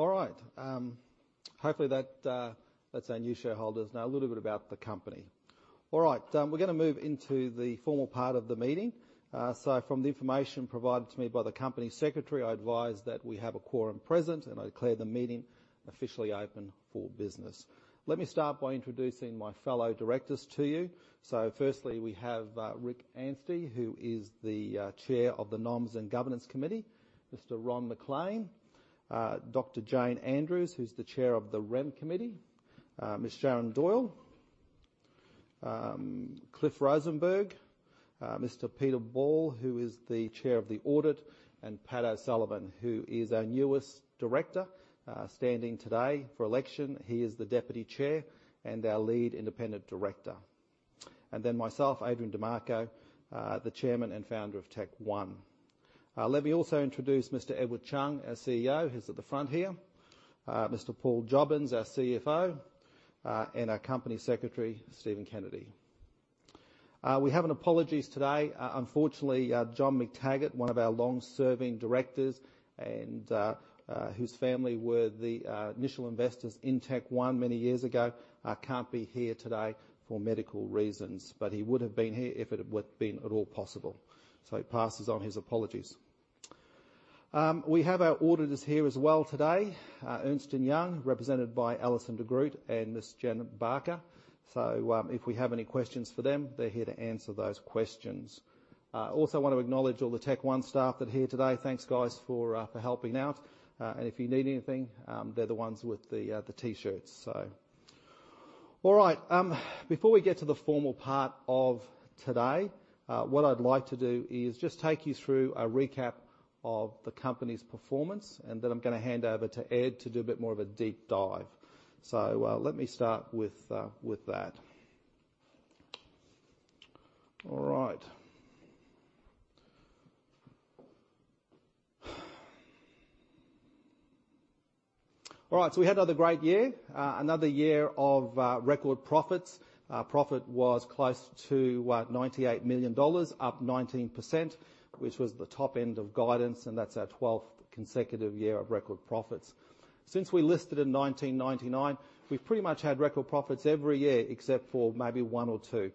All right. Hopefully that lets our new shareholders know a little bit about the company. All right, we're gonna move into the formal part of the meeting. From the information provided to me by the company secretary, I advise that we have a quorum present, and I declare the meeting officially open for business. Let me start by introducing my fellow directors to you. Firstly, we have Rick Anstey, who is the chair of the Nominations and Governance Committee. Mr. Ron McLean. Dr. Jane Andrews, who's the chair of the Remuneration Committee. Ms. Sharon Doyle. Cliff Rosenberg. Mr. Peter Ball, who is the chair of the Audit Committee. Pat O'Sullivan, who is our newest director, standing today for election. He is the deputy chair and our lead independent director. Myself, Adrian Di Marco, the Chairman and Founder of TechOne. Let me also introduce Mr. Edward Chung, our CEO, who's at the front here. Mr. Paul Jobbins, our CFO. And our Company Secretary, Stephen Kennedy. We have apologies today. Unfortunately, John MacTaggart, one of our long-serving directors and whose family were the initial investors in TechOne many years ago, can't be here today for medical reasons. He would have been here if it had been at all possible. He passes on his apologies. We have our auditors here as well today. Ernst & Young, represented by Alison de Groot and Ms. Jen Barker. If we have any questions for them, they're here to answer those questions. I also want to acknowledge all the TechOne staff that are here today. Thanks, guys, for helping out. If you need anything, they're the ones with the T-shirts. All right, before we get to the formal part of today, what I'd like to do is just take you through a recap of the company's performance, and then I'm gonna hand over to Ed to do a bit more of a deep dive. Let me start with that. All right, we had another great year, another year of record profits. Profit was close to what, 98 million dollars, up 19%, which was the top end of guidance, and that's our 12th consecutive year of record profits. Since we listed in 1999, we've pretty much had record profits every year except for maybe 1 or 2.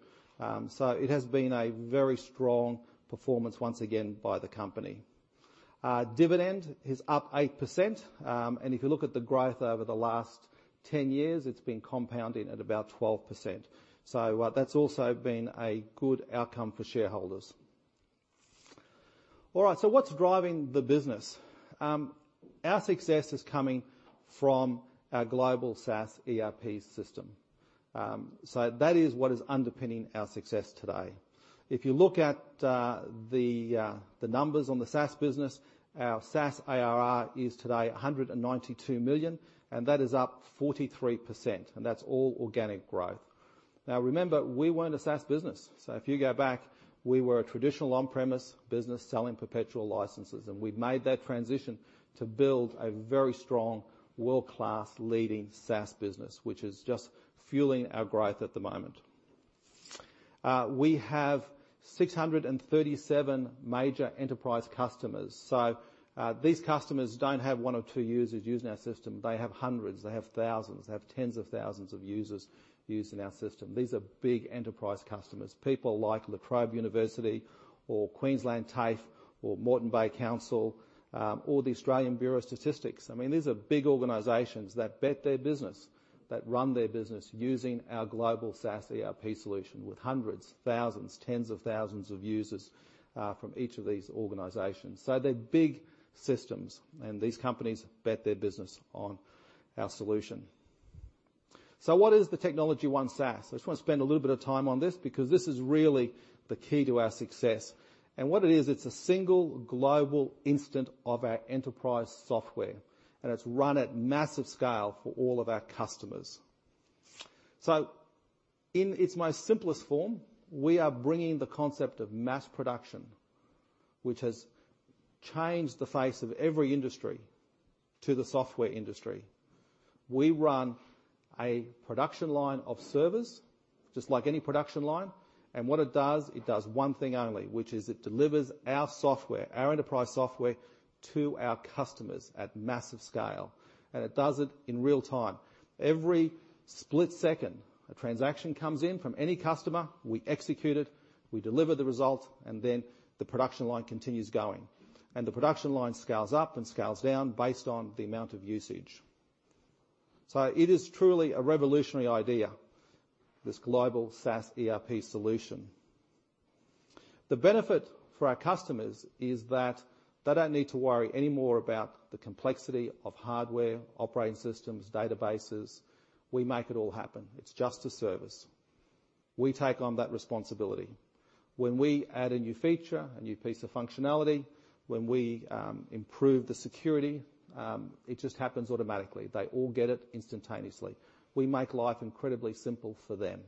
It has been a very strong performance once again by the company. Dividend is up 8%. If you look at the growth over the last 10 years, it's been compounding at about 12%. That's also been a good outcome for shareholders. All right, what's driving the business? Our success is coming from our global SaaS ERP system. That is what is underpinning our success today. If you look at the numbers on the SaaS business, our SaaS ARR is today 192 million, and that is up 43%. That's all organic growth. Now, remember, we weren't a SaaS business. If you go back, we were a traditional on-premise business selling perpetual licenses, and we've made that transition to build a very strong world-class leading SaaS business, which is just fueling our growth at the moment. We have 637 major enterprise customers. These customers don't have one or two users using our system. They have hundreds, they have thousands, they have tens of thousands of users using our system. These are big enterprise customers. People like La Trobe University or TAFE Queensland or Moreton Bay City Council, or the Australian Bureau of Statistics. I mean, these are big organizations that bet their business, that run their business using our global SaaS ERP solution with hundreds, thousands, tens of thousands of users from each of these organizations. They're big systems, and these companies bet their business on our solution. What is the Technology One SaaS? I just want to spend a little bit of time on this because this is really the key to our success. What it is, it's a single global instance of our enterprise software, and it's run at massive scale for all of our customers. In its most simplest form, we are bringing the concept of mass production, which has changed the face of every industry to the software industry. We run a production line of servers just like any production line. What it does, it does one thing only, which is it delivers our software, our enterprise software, to our customers at massive scale, and it does it in real time. Every split second, a transaction comes in from any customer, we execute it, we deliver the result, and then the production line continues going. The production line scales up and scales down based on the amount of usage. It is truly a revolutionary idea, this global SaaS ERP solution. The benefit for our customers is that they don't need to worry anymore about the complexity of hardware, operating systems, databases. We make it all happen. It's just a service. We take on that responsibility. When we add a new feature, a new piece of functionality, when we improve the security, it just happens automatically. They all get it instantaneously. We make life incredibly simple for them.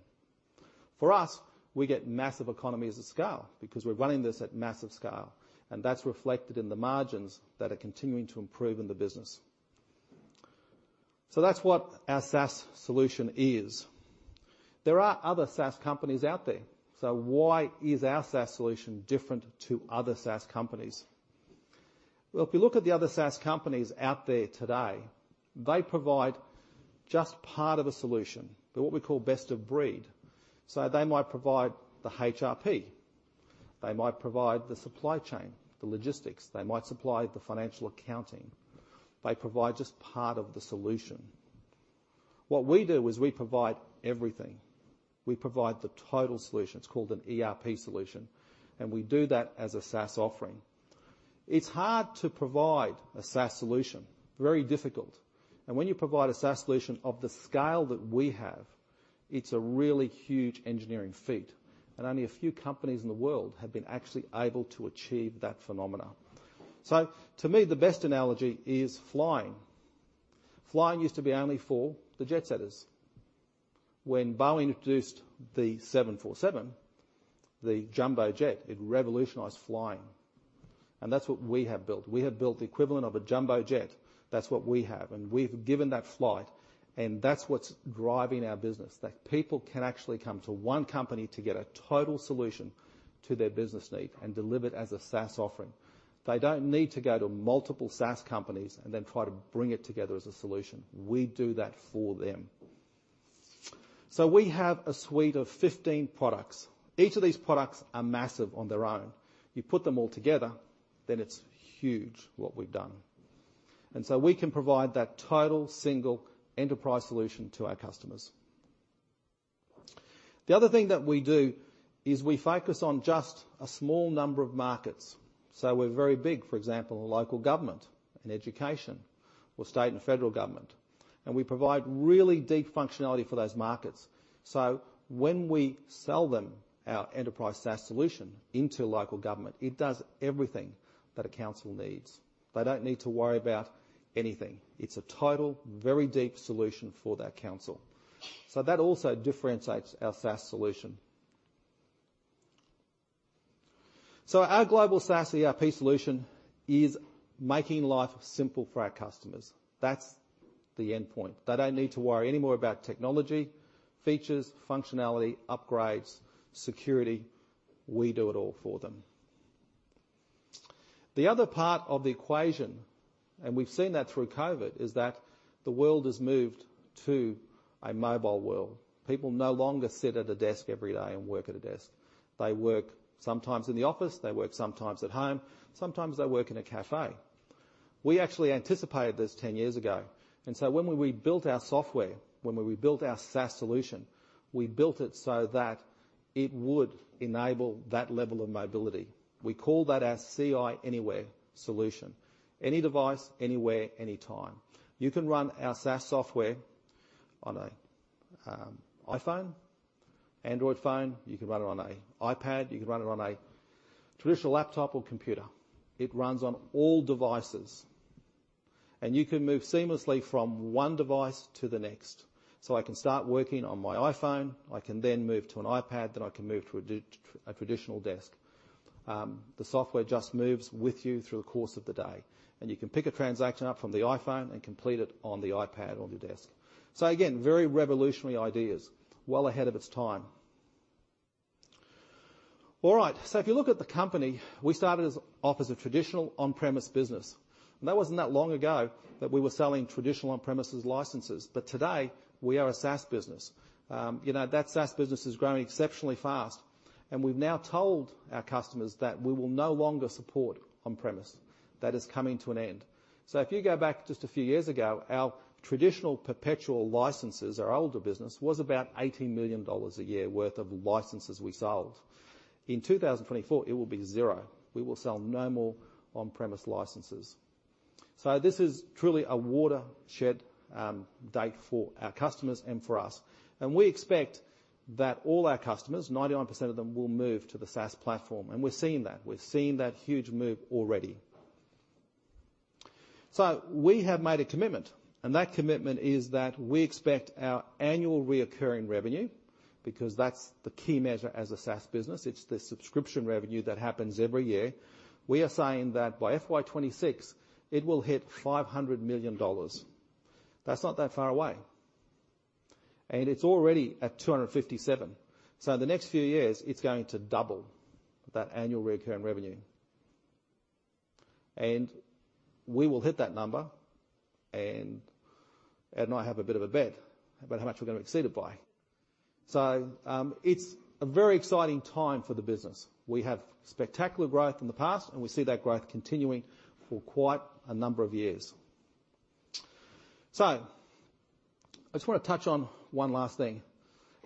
For us, we get massive economies of scale because we're running this at massive scale, and that's reflected in the margins that are continuing to improve in the business. That's what our SaaS solution is. There are other SaaS companies out there. Why is our SaaS solution different to other SaaS companies? Well, if you look at the other SaaS companies out there today, they provide just part of a solution. They're what we call best of breed. They might provide the HRP. They might provide the supply chain, the logistics. They might supply the financial accounting. They provide just part of the solution. What we do is we provide everything. We provide the total solution. It's called an ERP solution, and we do that as a SaaS offering. It's hard to provide a SaaS solution, very difficult. When you provide a SaaS solution of the scale that we have, it's a really huge engineering feat, and only a few companies in the world have been actually able to achieve that phenomenon. To me, the best analogy is flying. Flying used to be only for the jet setters. When Boeing introduced the 747, the jumbo jet, it revolutionized flying, and that's what we have built. We have built the equivalent of a jumbo jet. That's what we have. We've given that flight, and that's what's driving our business, that people can actually come to one company to get a total solution to their business need and deliver it as a SaaS offering. They don't need to go to multiple SaaS companies and then try to bring it together as a solution. We do that for them. We have a suite of 15 products. Each of these products are massive on their own. You put them all together, then it's huge what we've done. We can provide that total single enterprise solution to our customers. The other thing that we do is we focus on just a small number of markets. We're very big, for example, in local government and education or state and federal government. We provide really deep functionality for those markets. When we sell them our enterprise SaaS solution into local government, it does everything that a council needs. They don't need to worry about anything. It's a total, very deep solution for that council. That also differentiates our SaaS solution. Our global SaaS ERP solution is making life simple for our customers. That's the endpoint. They don't need to worry anymore about technology, features, functionality, upgrades, security. We do it all for them. The other part of the equation, and we've seen that through COVID, is that the world has moved to a mobile world. People no longer sit at a desk every day and work at a desk. They work sometimes in the office. They work sometimes at home. Sometimes they work in a cafe. We actually anticipated this 10 years ago, and so when we built our software, when we built our SaaS solution, we built it so that it would enable that level of mobility. We call that our Ci Anywhere solution. Any device, anywhere, anytime. You can run our SaaS software on a iPhone, Android phone. You can run it on a iPad. You can run it on a traditional laptop or computer. It runs on all devices, and you can move seamlessly from one device to the next. I can start working on my iPhone. I can then move to an iPad, then I can move to a traditional desk. The software just moves with you through the course of the day, and you can pick a transaction up from the iPhone and complete it on the iPad on your desk. Again, very revolutionary ideas, well ahead of its time. If you look at the company, we started off as a traditional on-premise business. That wasn't that long ago that we were selling traditional on-premises licenses. Today, we are a SaaS business. You know, that SaaS business is growing exceptionally fast, and we've now told our customers that we will no longer support on-premise. That is coming to an end. If you go back just a few years ago, our traditional perpetual licenses, our older business, was about 80 million dollars a year worth of licenses we sold. In 2024, it will be zero. We will sell no more on-premise licenses. This is truly a watershed date for our customers and for us. We expect that all our customers, 99% of them, will move to the SaaS platform, and we're seeing that. We're seeing that huge move already. We have made a commitment, and that commitment is that we expect our annual recurring revenue, because that's the key measure as a SaaS business. It's the subscription revenue that happens every year. We are saying that by FY 2026, it will hit 500 million dollars. That's not that far away. It's already at 257 million. The next few years, it's going to double that annual recurring revenue. We will hit that number, and Ed and I have a bit of a bet about how much we're going to exceed it by. It's a very exciting time for the business. We have spectacular growth in the past, and we see that growth continuing for quite a number of years. I just wanna touch on one last thing.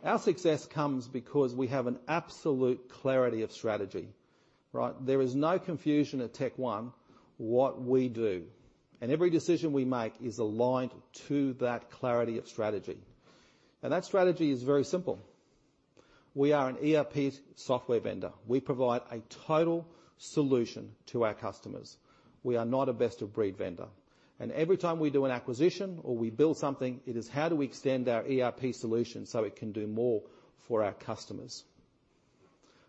Our success comes because we have an absolute clarity of strategy, right? There is no confusion at TechOne what we do, and every decision we make is aligned to that clarity of strategy. That strategy is very simple. We are an ERP software vendor. We provide a total solution to our customers. We are not a best-of-breed vendor. Every time we do an acquisition or we build something, it is how do we extend our ERP solution so it can do more for our customers?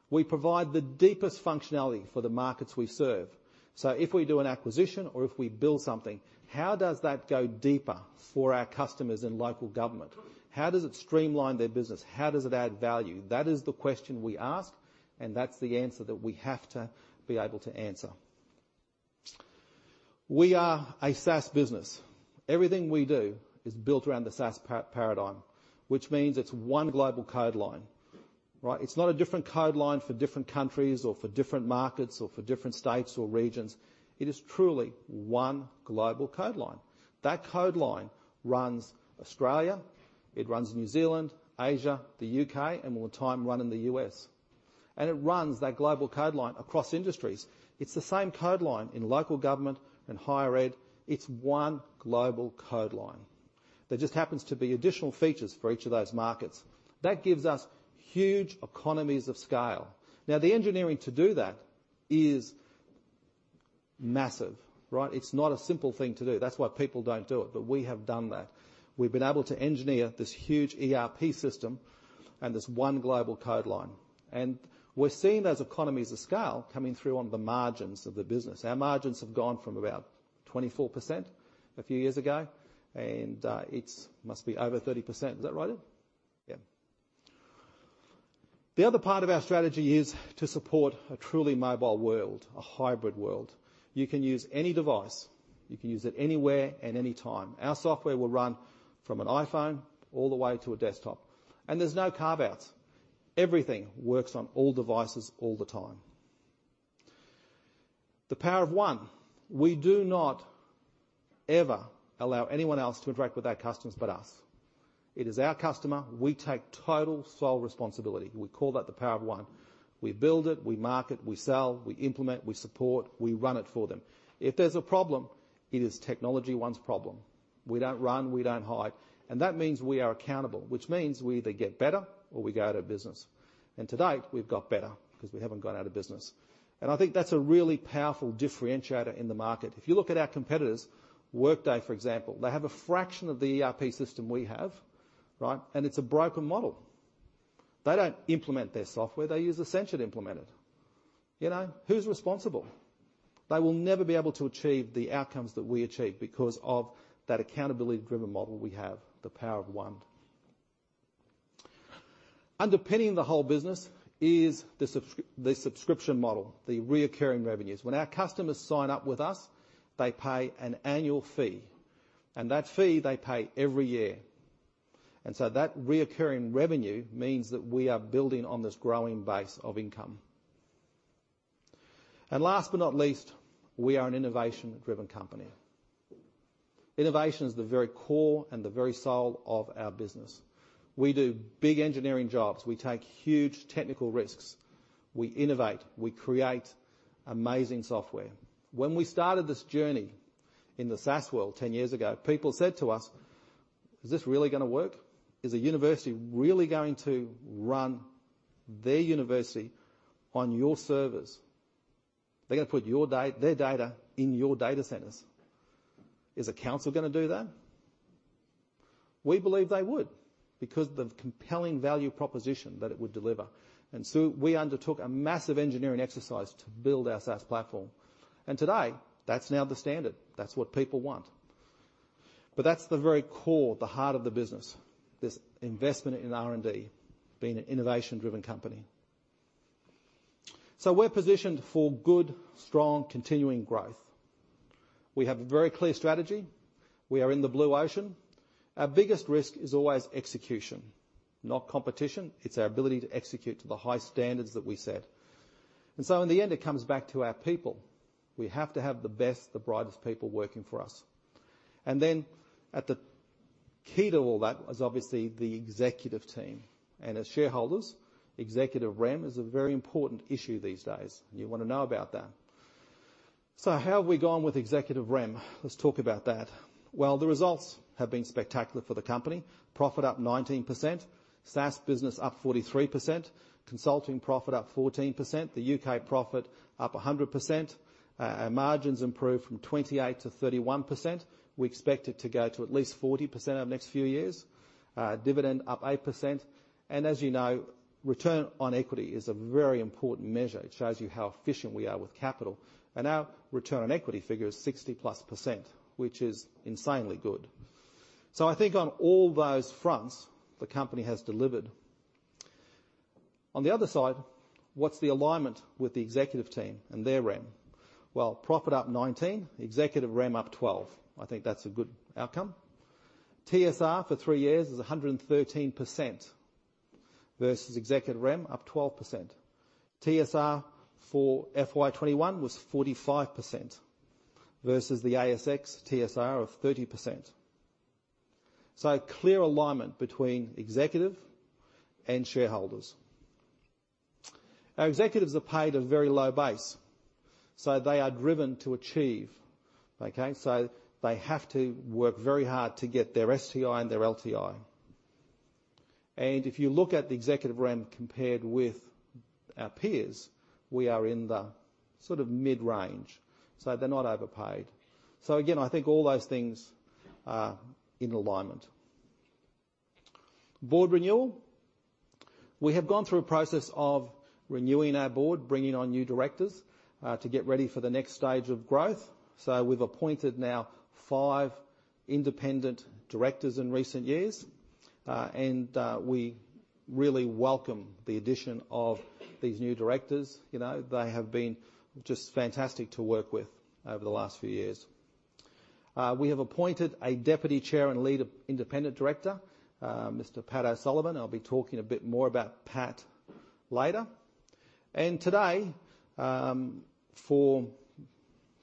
We provide the deepest functionality for the markets we serve. If we do an acquisition or if we build something, how does that go deeper for our customers in local government? How does it streamline their business? How does it add value? That is the question we ask, and that's the answer that we have to be able to answer. We are a SaaS business. Everything we do is built around the SaaS paradigm, which means it's one global code line, right? It's not a different code line for different countries or for different markets or for different states or regions. It is truly one global code line. That code line runs Australia, it runs New Zealand, Asia, the U.K., and will in time run in the U.S. It runs that global code line across industries. It's the same code line in local government and higher ed. It's one global code line. There just happens to be additional features for each of those markets. That gives us huge economies of scale. Now, the engineering to do that is massive, right? It's not a simple thing to do. That's why people don't do it. But we have done that. We've been able to engineer this huge ERP system and this one global code line, and we're seeing those economies of scale coming through on the margins of the business. Our margins have gone from about 24% a few years ago, and it must be over 30%. Is that right, Ian? Yeah. The other part of our strategy is to support a truly mobile world, a hybrid world. You can use any device. You can use it anywhere at any time. Our software will run from an iPhone all the way to a desktop. There's no carve-outs. Everything works on all devices all the time. The Power of One. We do not ever allow anyone else to interact with our customers but us. It is our customer. We take total sole responsibility. We call that the Power of One. We build it, we market, we sell, we implement, we support, we run it for them. If there's a problem, it is TechnologyOne's problem. We don't run, we don't hide. That means we are accountable, which means we either get better or we go out of business. To date, we've got better because we haven't gone out of business. I think that's a really powerful differentiator in the market. If you look at our competitors, Workday, for example, they have a fraction of the ERP system we have, right? It's a broken model. They don't implement their software. They use Accenture to implement it. You know, who's responsible? They will never be able to achieve the outcomes that we achieve because of that accountability-driven model we have, the Power of One. Underpinning the whole business is the subscription model, the recurring revenues. When our customers sign up with us, they pay an annual fee. That fee they pay every year. That recurring revenue means that we are building on this growing base of income. Last but not least, we are an innovation-driven company. Innovation is the very core and the very soul of our business. We do big engineering jobs. We take huge technical risks. We innovate. We create amazing software. When we started this journey in the SaaS world 10 years ago, people said to us, "Is this really gonna work? Is a university really going to run their university on your servers? They're gonna put their data in your data centers. Is a council gonna do that?" We believe they would because the compelling value proposition that it would deliver. We undertook a massive engineering exercise to build our SaaS platform. Today, that's now the standard. That's what people want. That's the very core, the heart of the business, this investment in R&D, being an innovation-driven company. We're positioned for good, strong, continuing growth. We have a very clear strategy. We are in the blue ocean. Our biggest risk is always execution, not competition. It's our ability to execute to the high standards that we set. In the end, it comes back to our people. We have to have the best, the brightest people working for us. At the key to all that is obviously the executive team. As shareholders, executive remuneration is a very important issue these days. You wanna know about that. How have we gone with executive remuneration? Let's talk about that. Well, the results have been spectacular for the company. Profit up 19%. SaaS business up 43%. Consulting profit up 14%. The U.K. profit up 100%. Our margin's improved from 28%-31%. We expect it to go to at least 40% over the next few years. Dividend up 8%. As you know, return on equity is a very important measure. It shows you how efficient we are with capital. Our return on equity figure is 60+%, which is insanely good. I think on all those fronts, the company has delivered. On the other side, what's the alignment with the executive team and their rem? Well, profit up 19, executive rem up 12. I think that's a good outcome. TSR for three years is 113% versus executive rem up 12%. TSR for FY 2021 was 45% versus the ASX TSR of 30%. Clear alignment between executive and shareholders. Our executives are paid a very low base, so they are driven to achieve, okay? They have to work very hard to get their STI and their LTI. If you look at the executive rem compared with our peers, we are in the sort of mid-range, so they're not overpaid. Again, I think all those things are in alignment. Board renewal. We have gone through a process of renewing our board, bringing on new directors to get ready for the next stage of growth. We've appointed now five independent directors in recent years. We really welcome the addition of these new directors. You know, they have been just fantastic to work with over the last few years. We have appointed a Deputy Chair and Lead Independent Director, Mr. Pat O'Sullivan. I'll be talking a bit more about Pat later. Today, for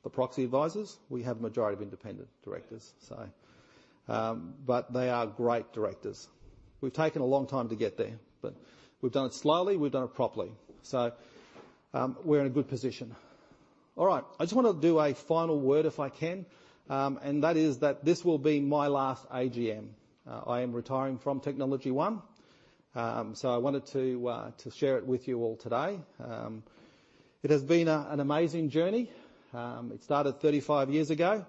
the proxy advisors, we have a majority of independent directors. They are great directors. We've taken a long time to get there, but we've done it slowly, we've done it properly. We're in a good position. All right. I just wanna do a final word if I can. That is that this will be my last AGM. I am retiring from Technology One. I wanted to share it with you all today. It has been an amazing journey. It started 35 years ago,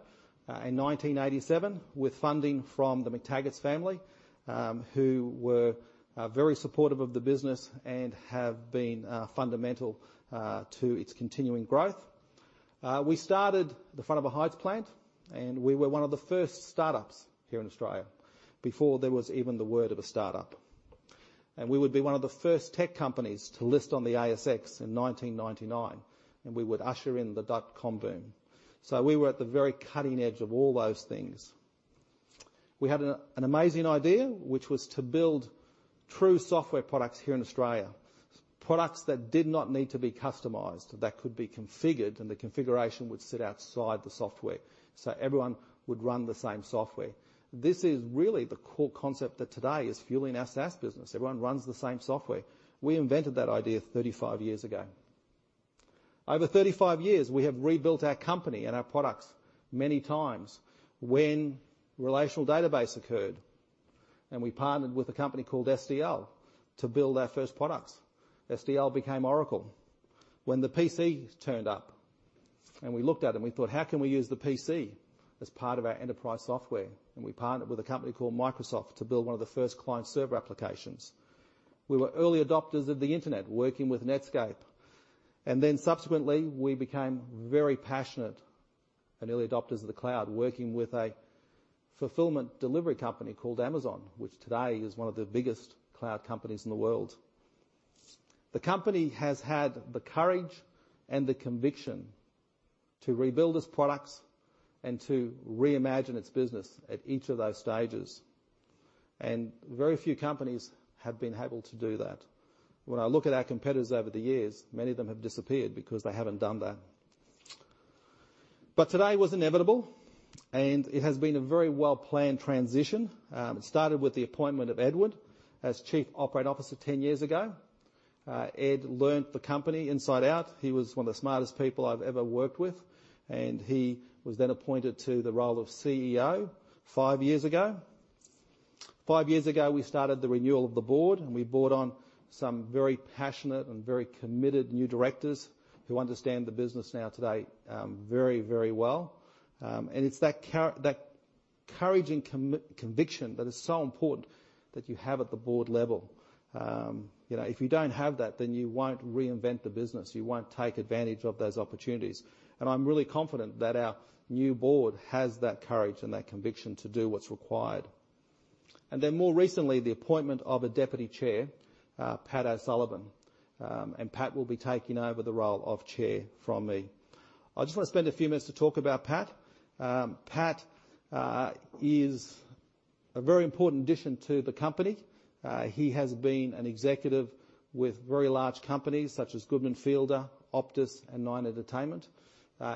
in 1987 with funding from the McTaggart's family, who were very supportive of the business and have been fundamental to its continuing growth. We started at the front of a highest plant, and we were one of the first startups here in Australia before there was even the word of a startup. We would be one of the first tech companies to list on the ASX in 1999, and we would usher in the dotcom boom. We were at the very cutting edge of all those things. We had an amazing idea, which was to build true software products here in Australia, products that did not need to be customized, that could be configured, and the configuration would sit outside the software, so everyone would run the same software. This is really the core concept that today is fueling our SaaS business. Everyone runs the same software. We invented that idea 35 years ago. Over 35 years, we have rebuilt our company and our products many times when relational database occurred, and we partnered with a company called SDL to build our first products. SDL became Oracle. When the PC turned up and we looked at it and we thought, "How can we use the PC as part of our enterprise software?" We partnered with a company called Microsoft to build one of the first client server applications. We were early adopters of the Internet, working with Netscape. Subsequently, we became very passionate and early adopters of the cloud, working with a fulfillment delivery company called Amazon, which today is one of the biggest cloud companies in the world. The company has had the courage and the conviction to rebuild its products and to reimagine its business at each of those stages, and very few companies have been able to do that. When I look at our competitors over the years, many of them have disappeared because they haven't done that. Today was inevitable, and it has been a very well-planned transition. It started with the appointment of Edward as Chief Operating Officer 10 years ago. Ed learned the company inside out. He was one of the smartest people I've ever worked with, and he was then appointed to the role of CEO five years ago. five years ago, we started the renewal of the board, and we brought on some very passionate and very committed new directors who understand the business now today, very, very well. It's that courage and conviction that is so important that you have at the board level. You know, if you don't have that, then you won't reinvent the business, you won't take advantage of those opportunities. I'm really confident that our new board has that courage and that conviction to do what's required. More recently, the appointment of a deputy chair, Pat O'Sullivan. Pat will be taking over the role of chair from me. I just want to spend a few minutes to talk about Pat. Pat is a very important addition to the company. He has been an executive with very large companies such as Goodman Fielder, Optus, and Nine Entertainment.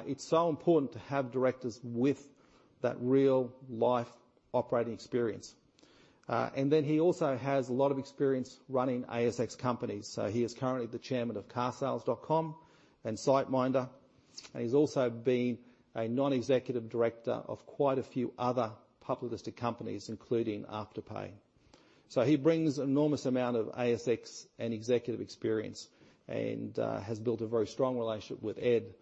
It's so important to have directors with that real-life operating experience. He also has a lot of experience running ASX companies. He is currently the Chairman of carsales.com and SiteMinder, and he's also been a Non-Executive Director of quite a few other public listed companies, including Afterpay. He brings enormous amount of ASX and executive experience and has built a very strong relationship with Ed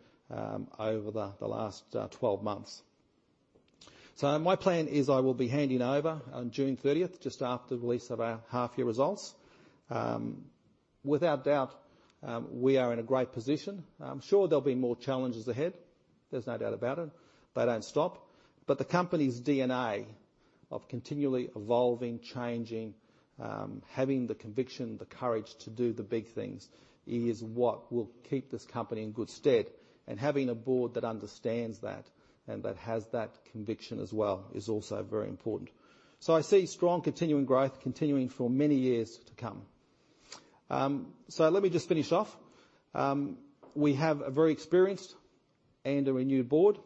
over the last 12 months. My plan is I will be handing over on June thirtieth, just after the release of our half-year results. Without doubt, we are in a great position. I'm sure there'll be more challenges ahead. There's no doubt about it. They don't stop. The company's DNA of continually evolving, changing, having the conviction, the courage to do the big things is what will keep this company in good stead. Having a board that understands that and that has that conviction as well is also very important. I see strong continuing growth for many years to come. Let me just finish off. We have a very experienced and a renewed board.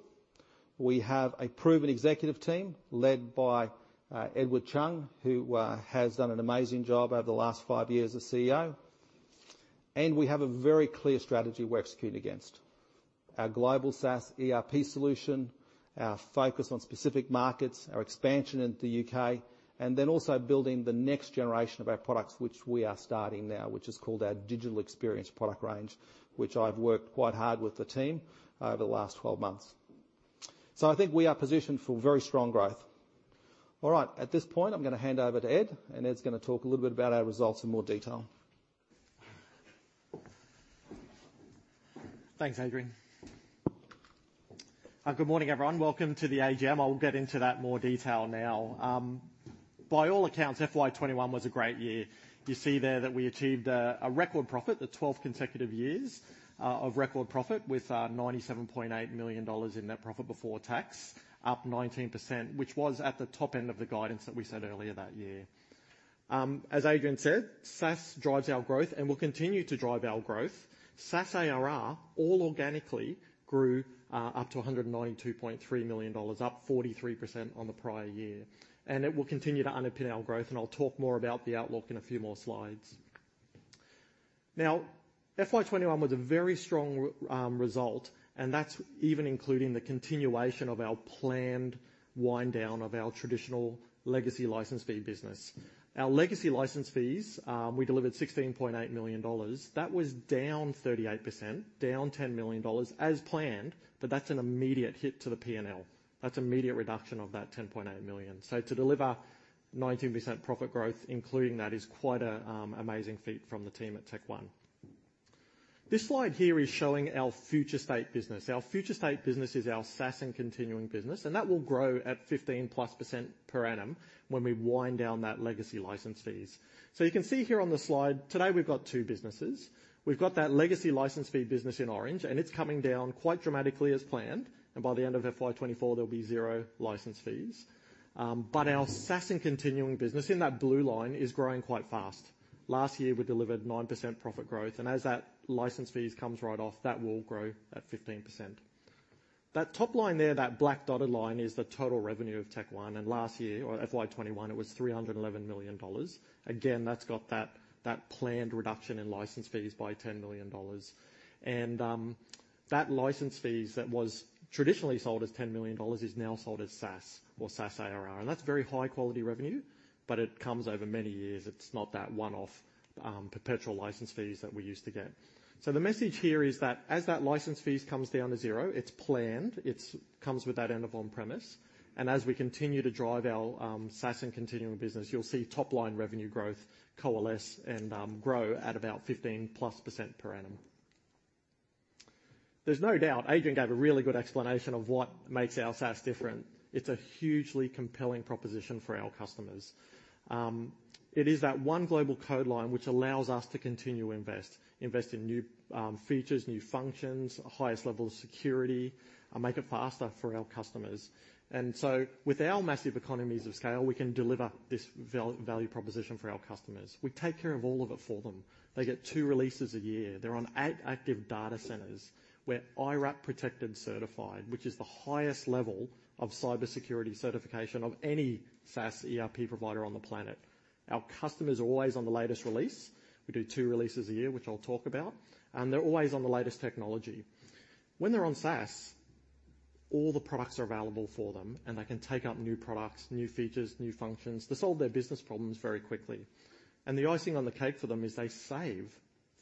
We have a proven executive team led by Edward Chung, who has done an amazing job over the last five years as CEO. We have a very clear strategy we're executing against. Our global SaaS ERP solution, our focus on specific markets, our expansion into U.K., and then also building the next generation of our products, which we are starting now, which is called our digital experience product range, which I've worked quite hard with the team over the last 12 months. I think we are positioned for very strong growth. All right. At this point, I'm gonna hand over to Ed, and Ed's gonna talk a little bit about our results in more detail. Thanks, Adrian. Good morning, everyone. Welcome to the AGM. I'll get into that more detail now. By all accounts, FY 2021 was a great year. You see there that we achieved a record profit, the 12 consecutive years of record profit with 97.8 million dollars in net profit before tax, up 19%, which was at the top end of the guidance that we set earlier that year. As Adrian said, SaaS drives our growth and will continue to drive our growth. SaaS ARR all organically grew up to 192.3 million dollars, up 43% on the prior year. It will continue to underpin our growth, and I'll talk more about the outlook in a few more slides. Now, FY 2021 was a very strong result, and that's even including the continuation of our planned wind down of our traditional legacy license fee business. Our legacy license fees, we delivered 16.8 million dollars. That was down 38%, down 10 million dollars as planned, but that's an immediate hit to the P&L. That's immediate reduction of that 10.8 million. To deliver 19% profit growth, including that, is quite a amazing feat from the team at TechOne. This slide here is showing our future state business. Our future state business is our SaaS and continuing business, and that will grow at 15%+ per annum when we wind down that legacy license fees. You can see here on the slide, today we've got two businesses. We've got that legacy license fee business in orange, and it's coming down quite dramatically as planned. By the end of FY 2024, there'll be 0 license fees. Our SaaS and continuing business in that blue line is growing quite fast. Last year, we delivered 9% profit growth, and as that license fees comes right off, that will grow at 15%. That top line there, that black dotted line, is the total revenue of TechnologyOne. Last year, or FY 2021, it was 311 million dollars. Again, that's got that planned reduction in license fees by 10 million dollars. That license fees that was traditionally sold as 10 million dollars is now sold as SaaS or SaaS ARR. That's very high quality revenue, but it comes over many years. It's not that one-off perpetual license fees that we used to get. The message here is that as that license fees comes down to zero, it's planned. It comes with that end of on-premise. As we continue to drive our SaaS and continuing business, you'll see top-line revenue growth coalesce and grow at about 15%+ per annum. There's no doubt Adrian gave a really good explanation of what makes our SaaS different. It's a hugely compelling proposition for our customers. It is that one global code line which allows us to continue to invest in new features, new functions, highest level of security, and make it faster for our customers. With our massive economies of scale, we can deliver this value proposition for our customers. We take care of all of it for them. They get two releases a year. They're on eight active data centers. We're IRAP protected, certified, which is the highest level of cybersecurity certification of any SaaS ERP provider on the planet. Our customers are always on the latest release. We do two releases a year, which I'll talk about, and they're always on the latest technology. When they're on SaaS, all the products are available for them, and they can take up new products, new features, new functions to solve their business problems very quickly. The icing on the cake for them is they save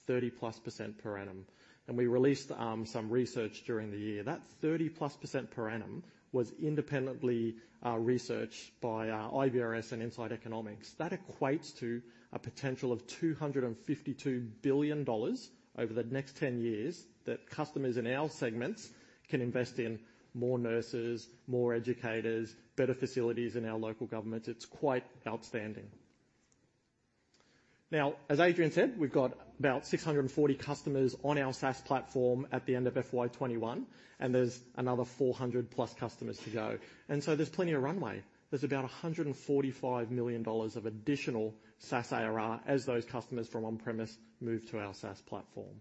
30%+ per annum. We released some research during the year. That 30%+ per annum was independently researched by IBRS and In-Sight Economics. That equates to a potential of 252 billion dollars over the next 10 years that customers in our segments can invest in more nurses, more educators, better facilities in our local governments. It's quite outstanding. Now, as Adrian said, we've got about 640 customers on our SaaS platform at the end of FY 2021, and there's another 400+ customers to go. There's plenty of runway. There's about 145 million dollars of additional SaaS ARR as those customers from on-premise move to our SaaS platform.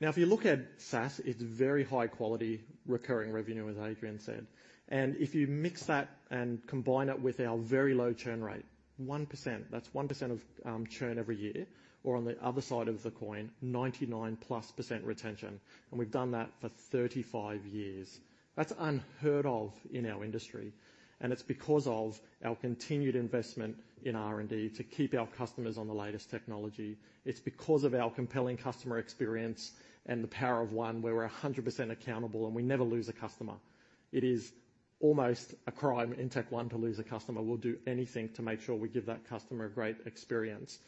Now, if you look at SaaS, it's very high quality recurring revenue, as Adrian said. If you mix that and combine it with our very low churn rate, 1%, that's 1% of churn every year, or on the other side of the coin, 99%+ retention, and we've done that for 35 years. That's unheard of in our industry, and it's because of our continued investment in R&D to keep our customers on the latest technology. It's because of our compelling customer experience and the Power of One, where we're 100% accountable, and we never lose a customer. It is almost a crime in Technology One to lose a customer. We'll do anything to make sure we give that customer a great experience,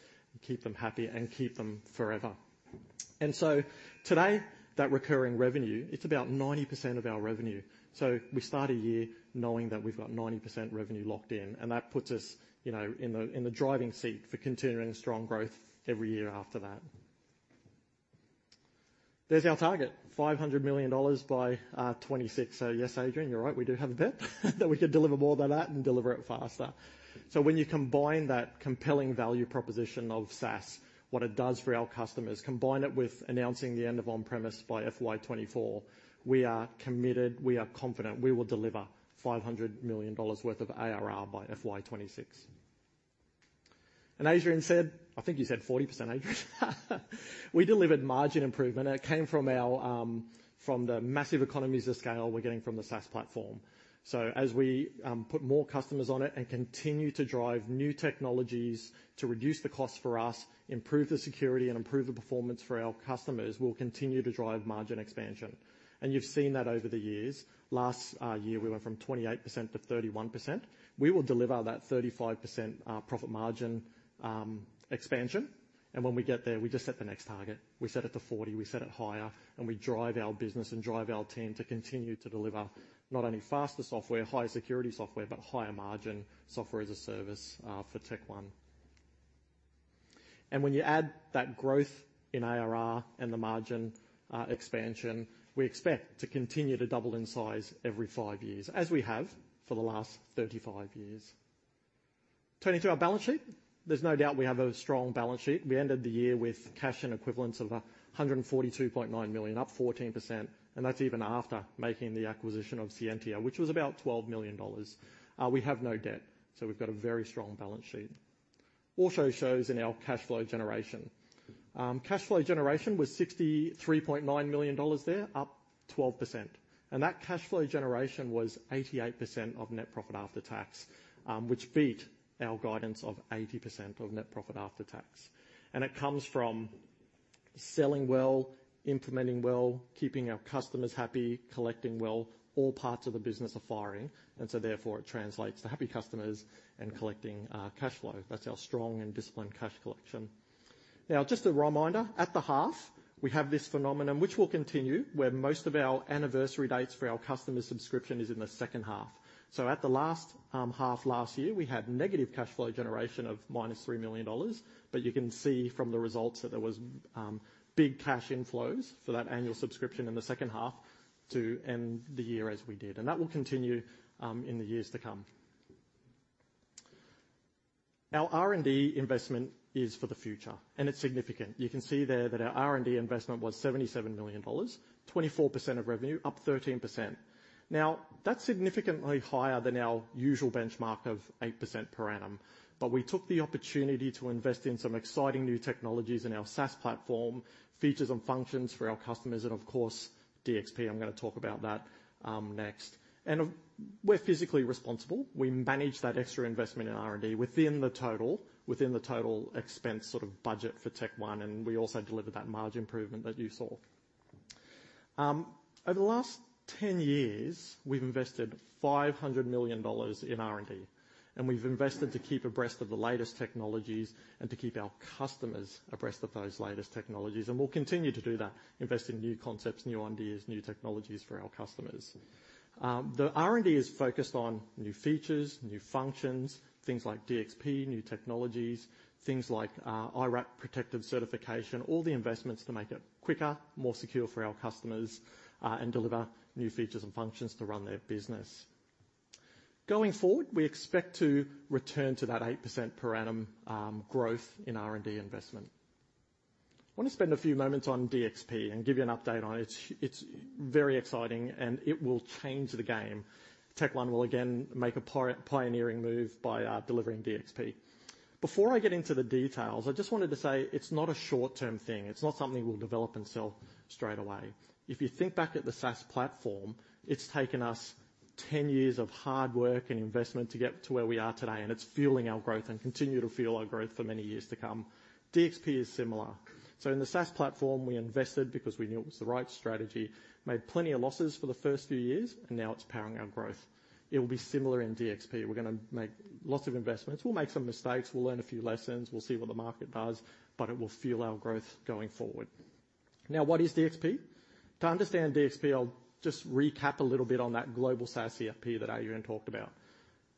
keep them happy, and keep them forever. Today, that recurring revenue, it's about 90% of our revenue. We start a year knowing that we've got 90% revenue locked in, and that puts us, you know, in the driving seat for continuing strong growth every year after that. There's our target, 500 million dollars by 2026. Yes, Adrian, you're right. We do have a bet that we could deliver more than that and deliver it faster. When you combine that compelling value proposition of SaaS, what it does for our customers, combine it with announcing the end of on-premise by FY 2024, we are committed, we are confident we will deliver 500 million dollars worth of ARR by FY 2026. Adrian said, I think you said 40%, Adrian. We delivered margin improvement, and it came from our, from the massive economies of scale we're getting from the SaaS platform. As we put more customers on it and continue to drive new technologies to reduce the cost for us, improve the security, and improve the performance for our customers, we'll continue to drive margin expansion. You've seen that over the years. Last year, we went from 28% - 31%. We will deliver that 35% profit margin expansion. When we get there, we just set the next target. We set it to 40, we set it higher, and we drive our business and drive our team to continue to deliver not only faster software, higher security software, but higher margin software as a service for TechnologyOne. When you add that growth in ARR and the margin expansion, we expect to continue to double in size every five years, as we have for the last 35 years. Turning to our balance sheet, there's no doubt we have a strong balance sheet. We ended the year with cash and equivalents of 142.9 million, up 14%, and that's even after making the acquisition of Scientia, which was about 12 million dollars. We have no debt, so we've got a very strong balance sheet. It also shows in our cash flow generation. Cash flow generation was 63.9 million dollars there, up 12%. That cash flow generation was 88% of net profit after tax, which beat our guidance of 80% of net profit after tax. It comes from selling well, implementing well, keeping our customers happy, collecting well. All parts of the business are firing, and so therefore it translates to happy customers and collecting cash flow. That's our strong and disciplined cash collection. Now just a reminder, at the half, we have this phenomenon which will continue where most of our anniversary dates for our customer subscription is in the second half. At the last half last year, we had negative cash flow generation of -3 million dollars, but you can see from the results that there was big cash inflows for that annual subscription in the second half to end the year as we did, and that will continue in the years to come. Our R&D investment is for the future, and it's significant. You can see there that our R&D investment was AUD 77 million, 24% of revenue, up 13%. Now, that's significantly higher than our usual benchmark of 8% per annum, but we took the opportunity to invest in some exciting new technologies in our SaaS platform, features and functions for our customers and of course, DXP. I'm gonna talk about that next. We're fiscally responsible. We manage that extra investment in R&D within the total expense sort of budget for TechOne, and we also delivered that margin improvement that you saw. Over the last 10 years, we've invested 500 million dollars in R&D, and we've invested to keep abreast of the latest technologies and to keep our customers abreast of those latest technologies, and we'll continue to do that, invest in new concepts, new ideas, new technologies for our customers. The R&D is focused on new features, new functions, things like DXP, new technologies, things like IRAP protective certification, all the investments to make it quicker, more secure for our customers, and deliver new features and functions to run their business. Going forward, we expect to return to that 8% per annum growth in R&D investment. I wanna spend a few moments on DXP and give you an update on it. It's very exciting, and it will change the game. TechOne will again make a pioneering move by delivering DXP. Before I get into the details, I just wanted to say it's not a short-term thing. It's not something we'll develop and sell straight away. If you think back at the SaaS platform, it's taken us 10 years of hard work and investment to get to where we are today, and it's fueling our growth and continue to fuel our growth for many years to come. DXP is similar. In the SaaS platform, we invested because we knew it was the right strategy, made plenty of losses for the first few years, and now it's powering our growth. It will be similar in DXP. We're gonna make lots of investments. We'll make some mistakes, we'll learn a few lessons, we'll see what the market does, but it will fuel our growth going forward. Now, what is DXP? To understand DXP, I'll just recap a little bit on that global SaaS ERP that Adrian talked about.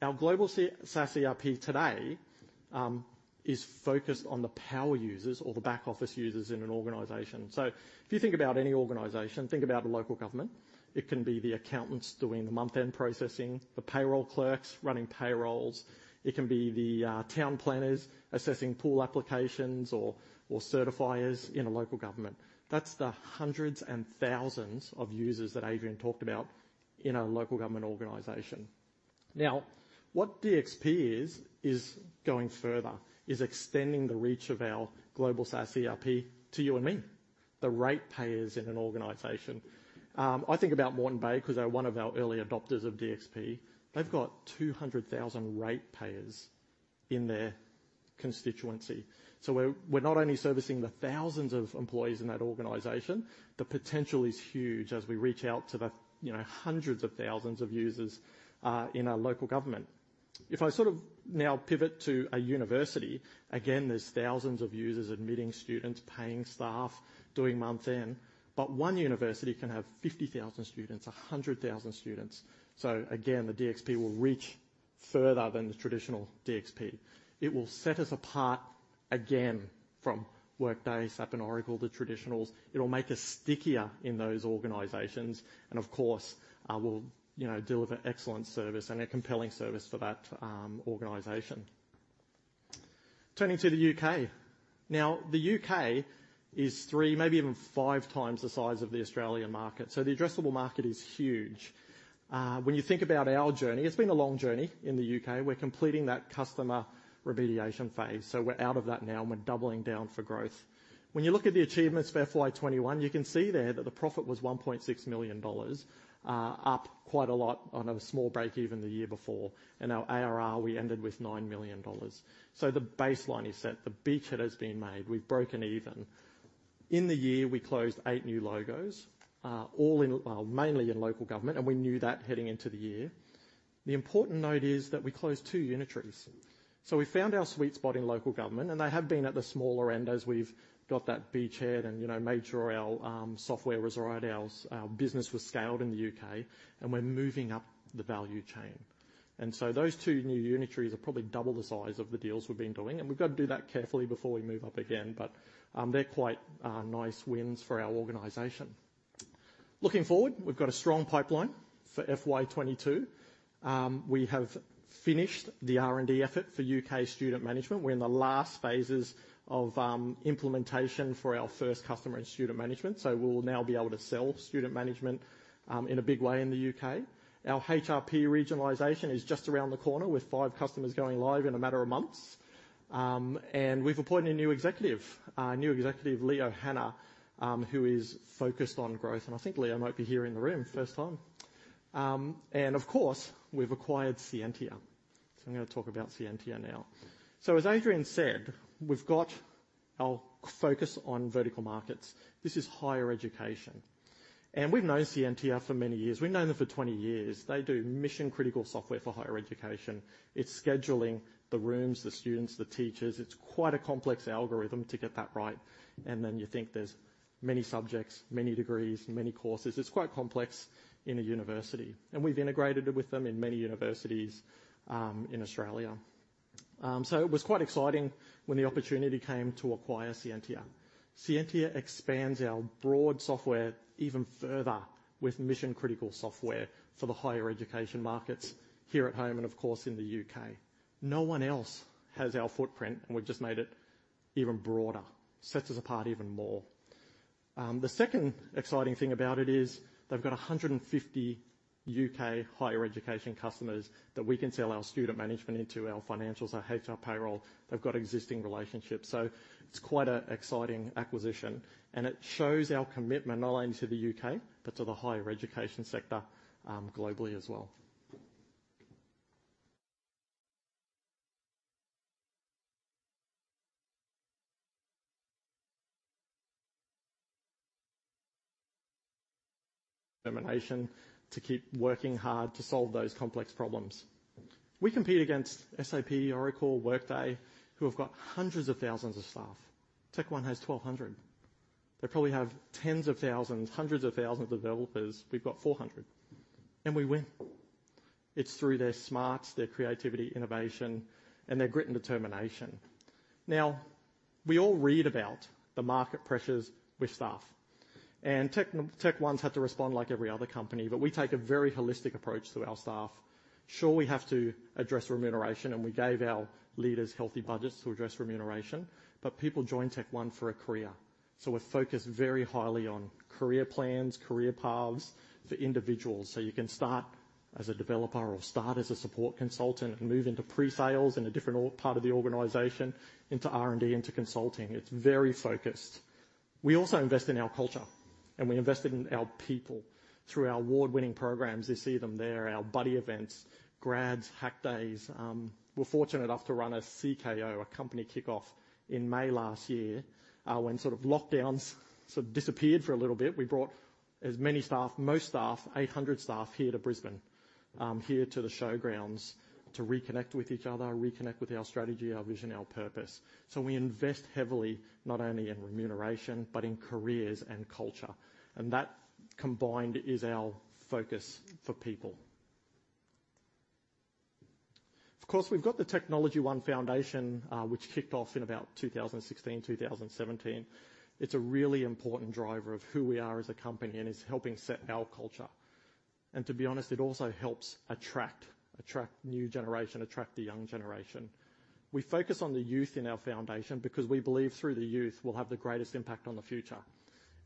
Our global Ci SaaS ERP today is focused on the power users or the back office users in an organization. If you think about any organization, think about a local government. It can be the accountants doing the month-end processing, the payroll clerks running payrolls. It can be the town planners assessing pool applications or certifiers in a local government. That's the hundreds and thousands of users that Adrian talked about in a local government organization. Now, what DXP is is going further, extending the reach of our global SaaS ERP to you and me, the ratepayers in an organization. I think about Moreton Bay because they're one of our early adopters of DXP. They've got 200,000 ratepayers in their constituency. We're not only servicing the thousands of employees in that organization, the potential is huge as we reach out to the hundreds of thousands of users in our local government. If I sort of now pivot to a university, again, there's thousands of users admitting students, paying staff, doing month-end, but one university can have 50,000 students, 100,000 students. Again, the DXP will reach further than the traditional DXP. It will set us apart again from Workday, SAP, and Oracle, the traditionals. It'll make us stickier in those organizations. Of course, we'll deliver excellent service and a compelling service for that organization. Turning to the U.K. Now, the U.K. is three, maybe even five times the size of the Australian market, so the addressable market is huge. When you think about our journey, it's been a long journey in the U.K. We're completing that customer remediation phase. We're out of that now and we're doubling down for growth. When you look at the achievements for FY 2021, you can see there that the profit was 1.6 million dollars, up quite a lot on a small breakeven the year before. Our ARR, we ended with 9 million dollars. The baseline is set, the beachhead has been made. We've broken even. In the year, we closed eight new logos, mainly in local government, and we knew that heading into the year. The important note is that we closed two unitaries. We found our sweet spot in local government, and they have been at the smaller end as we've got that beachhead and, you know, made sure our software was right, our business was scaled in the U.K., and we're moving up the value chain. Those two new unitaries are probably double the size of the deals we've been doing, and we've got to do that carefully before we move up again. They're quite nice wins for our organization. Looking forward, we've got a strong pipeline for FY 2022. We have finished the R&D effort for U.K. Student Management. We're in the last phases of implementation for our first customer in Student Management. We'll now be able to sell Student Management in a big way in the U.K. Our HRP regionalization is just around the corner with five customers going live in a matter of months. We've appointed a new executive. Our new executive, Leo Hanna, who is focused on growth. I think Leo might be here in the room for the first time. Of course, we've acquired Scientia. I'm gonna talk about Scientia now. As Adrian said, we've got our focus on vertical markets. This is higher education. We've known Scientia for many years. We've known them for 20 years. They do mission-critical software for higher education. It's scheduling the rooms, the students, the teachers. It's quite a complex algorithm to get that right. Then you think there's many subjects, many degrees, many courses. It's quite complex in a university. We've integrated it with them in many universities in Australia. It was quite exciting when the opportunity came to acquire Scientia. Scientia expands our broad software even further with mission-critical software for the higher education markets here at home and of course in the U.K. No one else has our footprint, and we've just made it even broader, sets us apart even more. The second exciting thing about it is they've got 150 U.K. higher education customers that we can sell our Student Management into our financials, our HR & Payroll. They've got existing relationships. It's quite an exciting acquisition, and it shows our commitment not only to the U.K., but to the higher education sector, globally as well. Determination to keep working hard to solve those complex problems. We compete against SAP, Oracle, Workday, who have got hundreds of thousands of staff. TechOne has 1,200. They probably have tens of thousands, hundreds of thousands of developers. We've got 400, and we win. It's through their smarts, their creativity, innovation, and their grit and determination. Now, we all read about the market pressures with staff. TechnologyOne's had to respond like every other company, but we take a very holistic approach to our staff. Sure, we have to address remuneration, and we gave our leaders healthy budgets to address remuneration, but people join TechnologyOne for a career. We're focused very highly on career plans, career paths for individuals. You can start as a developer or start as a support consultant and move into pre-sales in a different part of the organization, into R&D, into consulting. It's very focused. We also invest in our culture, and we invest it in our people through our award-winning programs. You see them there, our buddy events, grads, hack days. We're fortunate enough to run a CKO, a company kickoff in May last year, when sort of lockdowns sort of disappeared for a little bit. We brought as many staff, most staff, 800 staff here to Brisbane, here to the showgrounds to reconnect with each other, reconnect with our strategy, our vision, our purpose. We invest heavily, not only in remuneration, but in careers and culture. That combined is our focus for people. Of course, we've got the Technology One Foundation, which kicked off in about 2016, 2017. It's a really important driver of who we are as a company and is helping set our culture. To be honest, it also helps attract new generation, the young generation. We focus on the youth in our foundation because we believe through the youth, we'll have the greatest impact on the future.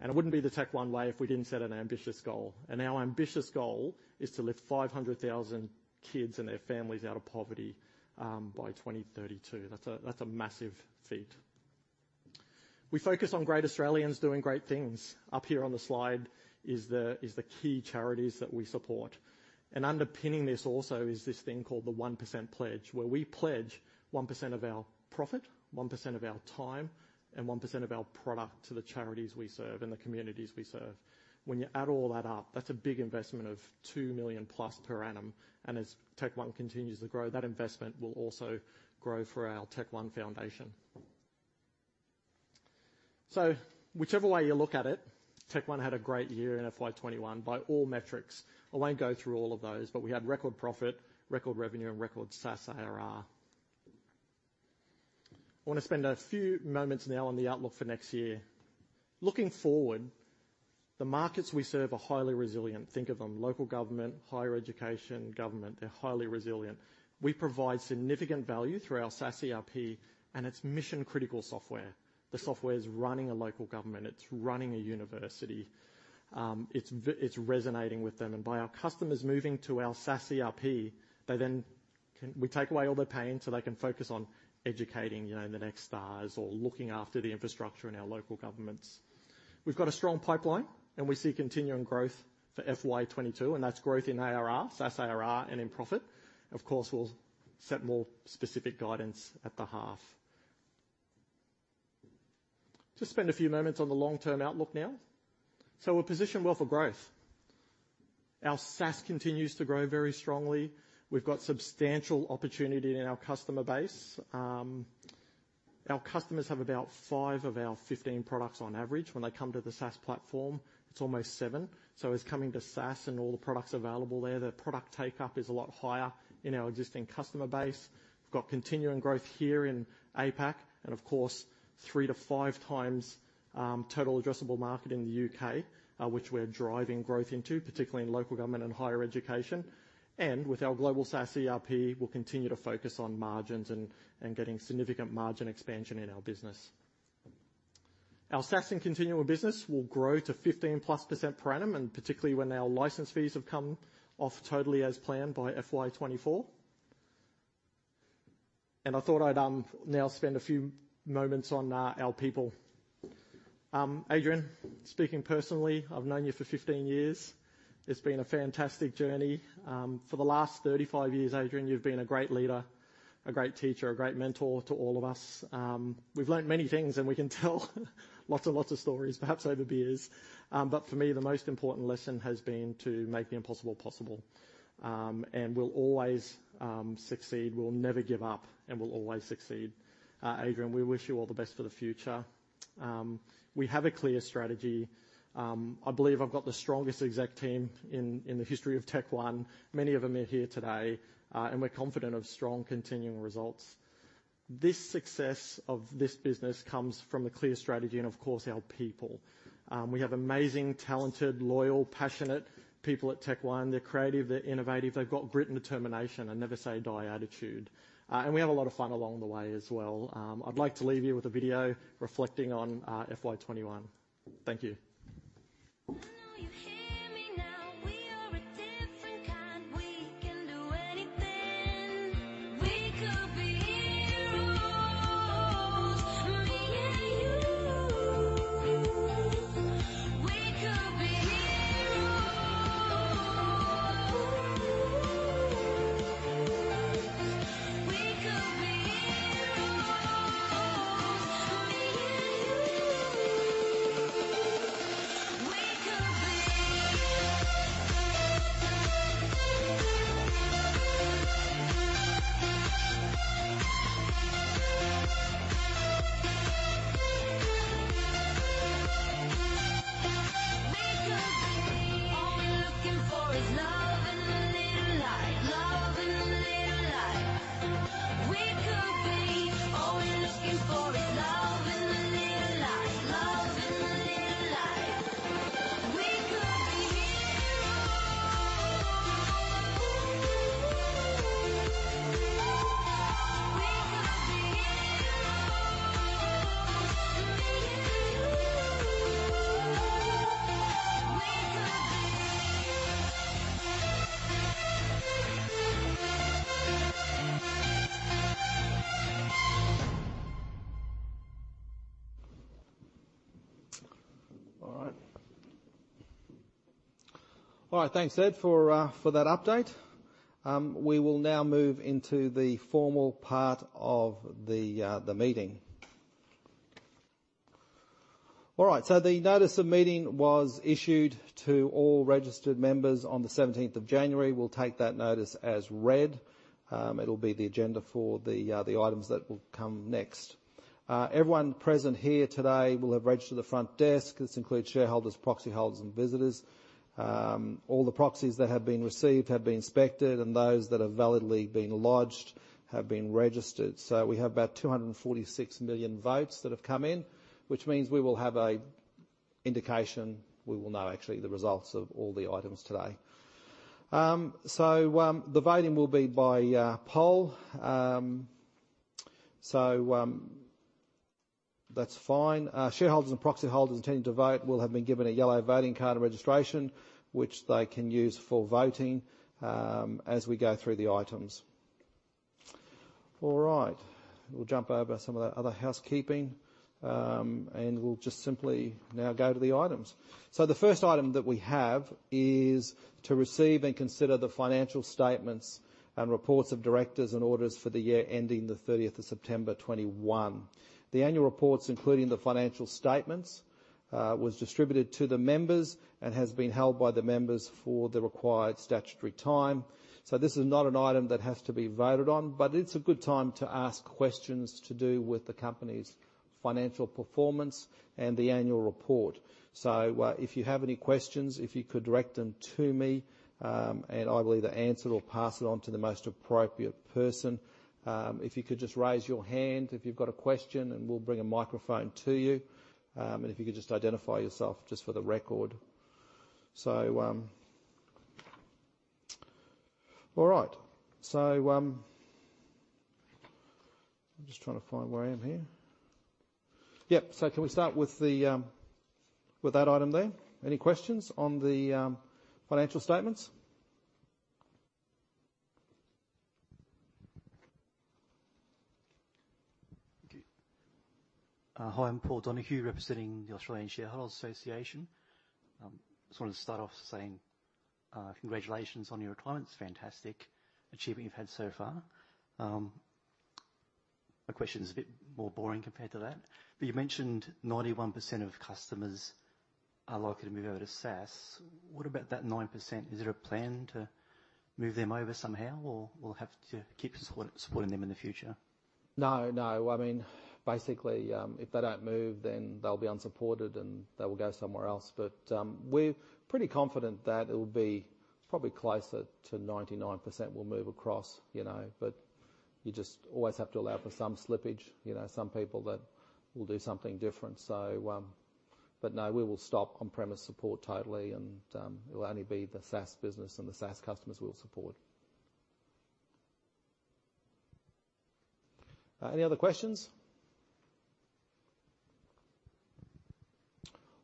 It wouldn't be the TechOne way if we didn't set an ambitious goal. Our ambitious goal is to lift 500,000 kids and their families out of poverty by 2032. That's a massive feat. We focus on great Australians doing great things. Up here on the slide is the key charities that we support. Underpinning this also is this thing called the 1% Pledge, where we pledge 1% of our profit, 1% of our time, and 1% of our product to the charities we serve and the communities we serve. When you add all that up, that's a big investment of 2 million+ per annum. As TechnologyOne continues to grow, that investment will also grow for our TechnologyOne Foundation. Whichever way you look at it, TechnologyOne had a great year in FY 2021 by all metrics. I won't go through all of those, but we had record profit, record revenue, and record SaaS ARR. I want to spend a few moments now on the outlook for next year. Looking forward. The markets we serve are highly resilient. Think of them, local government, higher education, government, they're highly resilient. We provide significant value through our SaaS ERP, and it's mission-critical software. The software is running a local government, it's running a university. It's resonating with them. By our customers moving to our SaaS ERP, we take away all the pain, so they can focus on educating, you know, the next stars or looking after the infrastructure in our local governments. We've got a strong pipeline, and we see continuing growth for FY 2022, and that's growth in ARR, SaaS ARR and in profit. Of course, we'll set more specific guidance at the half. Just spend a few moments on the long-term outlook now. We're positioned well for growth. Our SaaS continues to grow very strongly. We've got substantial opportunity in our customer base. Our customers have about five of our 15 products on average. When they come to the SaaS platform, it's almost 7. It's coming to SaaS and all the products available there. The product take-up is a lot higher in our existing customer base. We've got continuing growth here in APAC. Of course, 3-5 times total addressable market in the U.K., which we're driving growth into, particularly in local government and higher education. With our global SaaS ERP, we'll continue to focus on margins and getting significant margin expansion in our business. Our SaaS and continuum business will grow to 15%+ per annum, and particularly when our license fees have come off totally as planned by FY 2024. I thought I'd now spend a few moments on our people. Adrian, speaking personally, I've known you for 15 years. It's been a fantastic journey. For the last 35 years, Adrian, you've been a great leader, a great teacher, a great mentor to all of us. We've learned many things, and we can tell lots and lots of stories, perhaps over beers. For me, the most important lesson has been to make the impossible possible. We'll always succeed. We'll never give up, and we'll always succeed. Adrian, we wish you all the best for the future. We have a clear strategy. I believe I've got the strongest exec team in the history of TechOne. Many of them are here today. We're confident of strong continuing results. This success of this business comes from a clear strategy and of course, our people. We have amazing, talented, loyal, passionate people at TechOne. They're creative, they're innovative. They've got grit and determination and never-say-die attitude. We have a lot of fun along the way as well. I'd like to leave you with a video reflecting on FY 2021. Thank you. I know you hear me now. We are a different kind. We can do anything. We could be heroes. Me and you. We could be heroes. Ooh. We could be heroes. Me and you. We could be. We could be. All we're looking for is love in the little life. Love in the little life. We could be. All we're looking for is love in the little life. Love in the little life. We could be heroes. Ooh. We could be heroes. Me and you. We could be. All right. Thanks, Ed, for that update. We will now move into the formal part of the meeting. The notice of meeting was issued to all registered members on the seventeenth of January. We'll take that notice as read. It'll be the agenda for the items that will come next. Everyone present here today will have registered at the front desk. This includes shareholders, proxy holders, and visitors. All the proxies that have been received have been inspected and those that have validly been lodged have been registered. We have about 246 million votes that have come in, which means we will have an indication. We will know actually the results of all the items today. The voting will be by poll. That's fine. Shareholders and proxy holders intending to vote will have been given a yellow voting card on registration, which they can use for voting, as we go through the items. All right. We'll jump over some of the other housekeeping, and we'll just simply now go to the items. The first item that we have is to receive and consider the financial statements and reports of directors and auditors for the year ending the 30th of September 2021. The annual reports, including the financial statements, was distributed to the members and has been held by the members for the required statutory time. This is not an item that has to be voted on, but it's a good time to ask questions to do with the company's financial performance and the annual report. If you have any questions, if you could direct them to me, and I will either answer it or pass it on to the most appropriate person. If you could just raise your hand if you've got a question, and we'll bring a microphone to you. If you could just identify yourself just for the record. All right. I'm just trying to find where I am here. Yep. Can we start with that item there? Any questions on the financial statements? Thank you. Hi, I'm Paul Donahue, representing the Australian Shareholders' Association. Just wanted to start off saying, congratulations on your accomplishments. Fantastic achievement you've had so far. My question is a bit more boring compared to that. You mentioned 91% of customers are likely to move over to SaaS. What about that 9%? Is there a plan to move them over somehow, or we'll have to keep supporting them in the future? No, no. I mean, basically, if they don't move, then they'll be unsupported, and they will go somewhere else. We're pretty confident that it'll be probably closer to 99% will move across, you know. You just always have to allow for some slippage, you know, some people that will do something different. No, we will stop on-premise support totally, and it will only be the SaaS business and the SaaS customers we'll support. Any other questions?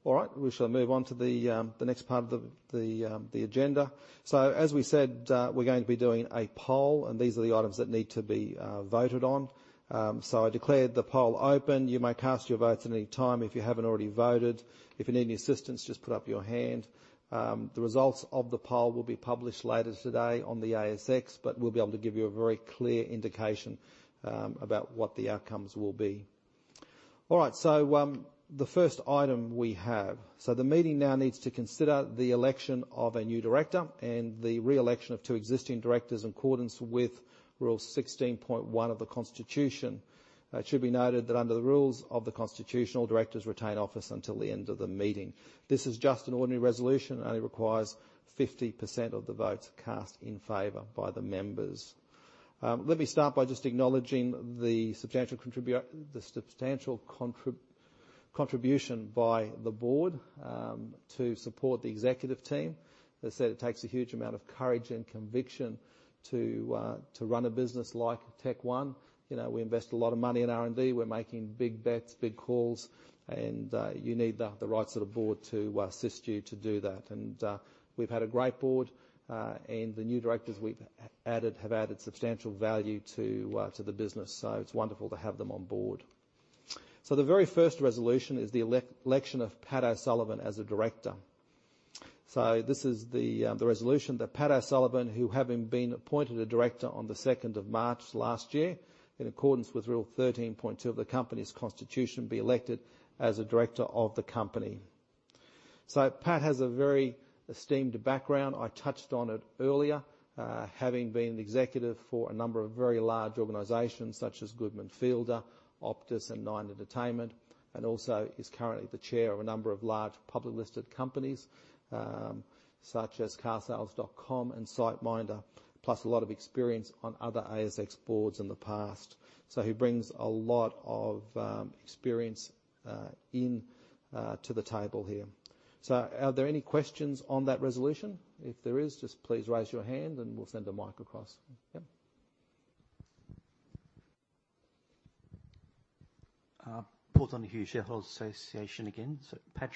All right. We shall move on to the next part of the agenda. As we said, we're going to be doing a poll, and these are the items that need to be voted on. I declare the poll open. You may cast your votes at any time if you haven't already voted. If you need any assistance, just put up your hand. The results of the poll will be published later today on the ASX, but we'll be able to give you a very clear indication about what the outcomes will be. All right, the first item we have. The meeting now needs to consider the election of a new director and the re-election of two existing directors in accordance with rule 16.1 of the constitution. It should be noted that under the rules of the constitution, directors retain office until the end of the meeting. This is just an ordinary resolution. It only requires 50% of the votes cast in favor by the members. Let me start by just acknowledging the substantial contribution by the board to support the executive team. As I said, it takes a huge amount of courage and conviction to run a business like Tech One. You know, we invest a lot of money in R&D. We're making big bets, big calls, and you need the right sort of board to assist you to do that. We've had a great board, and the new directors we've added have added substantial value to the business. It's wonderful to have them on board. The very first resolution is the election of Pat O'Sullivan as a director. This is the resolution that Pat O'Sullivan, who having been appointed a director on the second of March last year, in accordance with rule 13.2 of the company's constitution, be elected as a director of the company. Pat has a very esteemed background. I touched on it earlier, having been the executive for a number of very large organizations such as Goodman Fielder, Optus, and Nine Entertainment, and also is currently the chair of a number of large public listed companies, such as carsales.com and SiteMinder, plus a lot of experience on other ASX boards in the past. He brings a lot of experience into the table here. Are there any questions on that resolution? If there is, just please raise your hand and we'll send a mic across. Yeah. Paul Donohue, Shareholders Association again. Pat,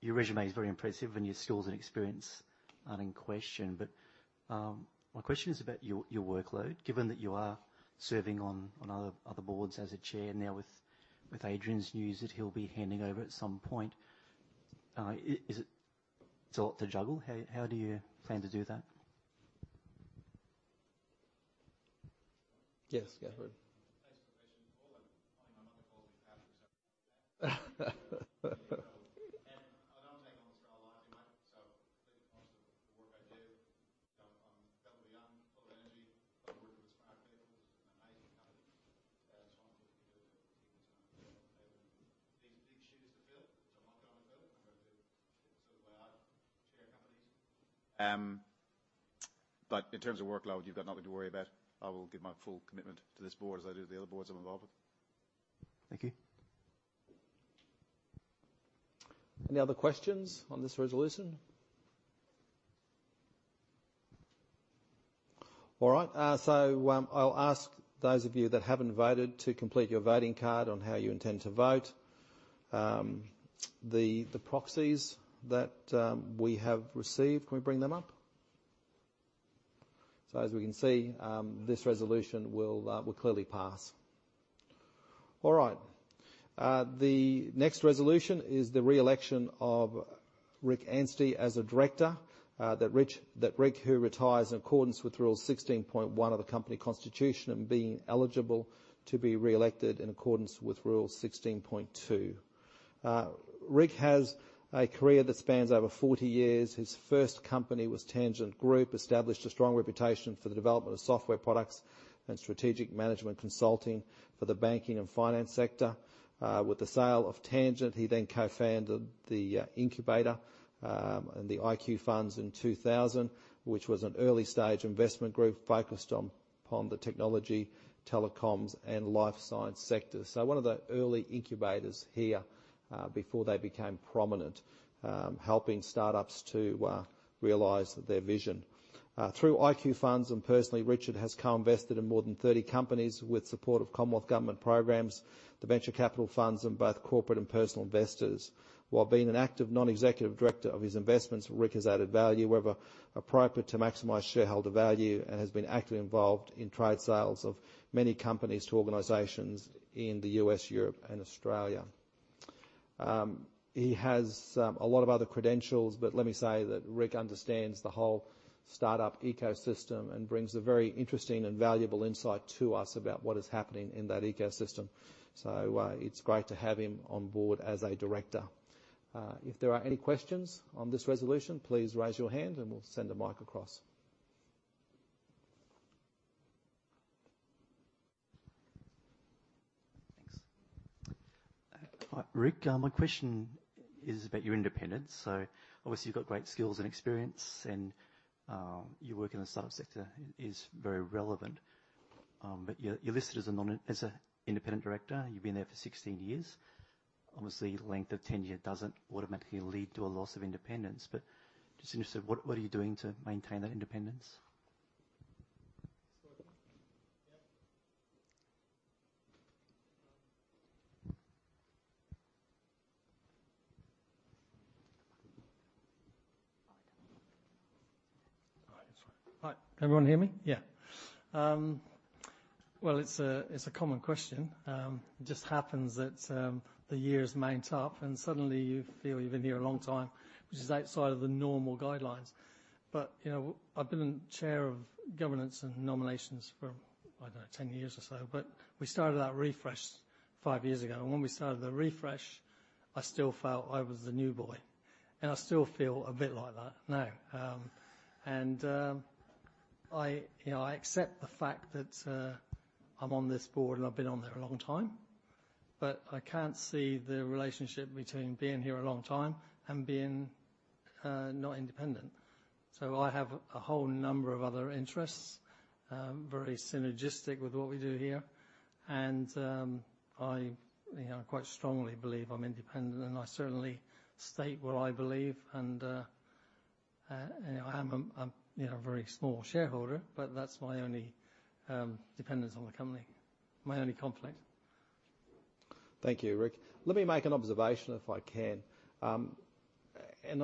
your resume is very impressive and your skills and experience aren't in question, but my question is about your workload. Given that you are serving on other boards as a chair now with Adrian's news that he'll be handing over at some point, it's a lot to juggle. How do you plan to do that? Yes, go for it. Thanks for the question, Paul. I mean, my mother calls me Patrick. I don't take on the role lightly, mate. I think most of the work I do, you know, on WBM, Global Energy. I work with smart vehicles with Mate academy. I'm looking at the team that's gonna replace. These are big shoes to fill, but I'm not gonna fill them. I've got other chair companies. In terms of workload, you've got nothing to worry about. I will give my full commitment to this board as I do to the other boards I'm involved with. Thank you. Any other questions on this resolution? All right. I'll ask those of you that haven't voted to complete your voting card on how you intend to vote. The proxies that we have received. Can we bring them up? As we can see, this resolution will clearly pass. All right. The next resolution is the re-election of Rick Anstey as a director, that Rick, who retires in accordance with rule 16.1 of the company constitution and being eligible to be re-elected in accordance with rule 16.2. Rick has a career that spans over 40 years. His first company was Tangent Group, established a strong reputation for the development of software products and strategic management consulting for the banking and finance sector. With the sale of Tangent, he then co-founded the incubator and the IQ Funds in 2000, which was an early-stage investment group focused on the technology, telecoms, and life science sectors. One of the early incubators here before they became prominent, helping startups to realize their vision. Through IQ Funds and personally, Richard has co-invested in more than 30 companies with support of Commonwealth Government programs, the venture capital funds, and both corporate and personal investors. While being an active non-executive director of his investments, Rick has added value, wherever appropriate to maximize shareholder value, and has been actively involved in trade sales of many companies to organizations in the U.S., Europe, and Australia. He has a lot of other credentials, but let me say that Rick understands the whole startup ecosystem and brings a very interesting and valuable insight to us about what is happening in that ecosystem. It's great to have him on board as a director. If there are any questions on this resolution, please raise your hand, and we'll send the mic across. Thanks. Rick, my question is about your independence. Obviously, you've got great skills and experience, and your work in the startup sector is very relevant. You're listed as an independent director. You've been there for 16 years. Obviously, length of tenure doesn't automatically lead to a loss of independence, but just interested, what are you doing to maintain that independence? This working? Yeah. All right. It's working. Hi. Can everyone hear me? Yeah. Well, it's a common question. It just happens that the years mount up, and suddenly you feel you've been here a long time, which is outside of the normal guidelines. You know, I've been chair of governance and nominations for, I don't know, 10 years or so, but we started that refresh five years ago. When we started the refresh, I still felt I was the new boy, and I still feel a bit like that now. You know, I accept the fact that I'm on this board, and I've been on there a long time, but I can't see the relationship between being here a long time and being not independent. I have a whole number of other interests, very synergistic with what we do here, and I, you know, quite strongly believe I'm independent, and I certainly state what I believe and, you know, I'm you know a very small shareholder, but that's my only dependence on the company, my only conflict. Thank you, Rick. Let me make an observation if I can. I am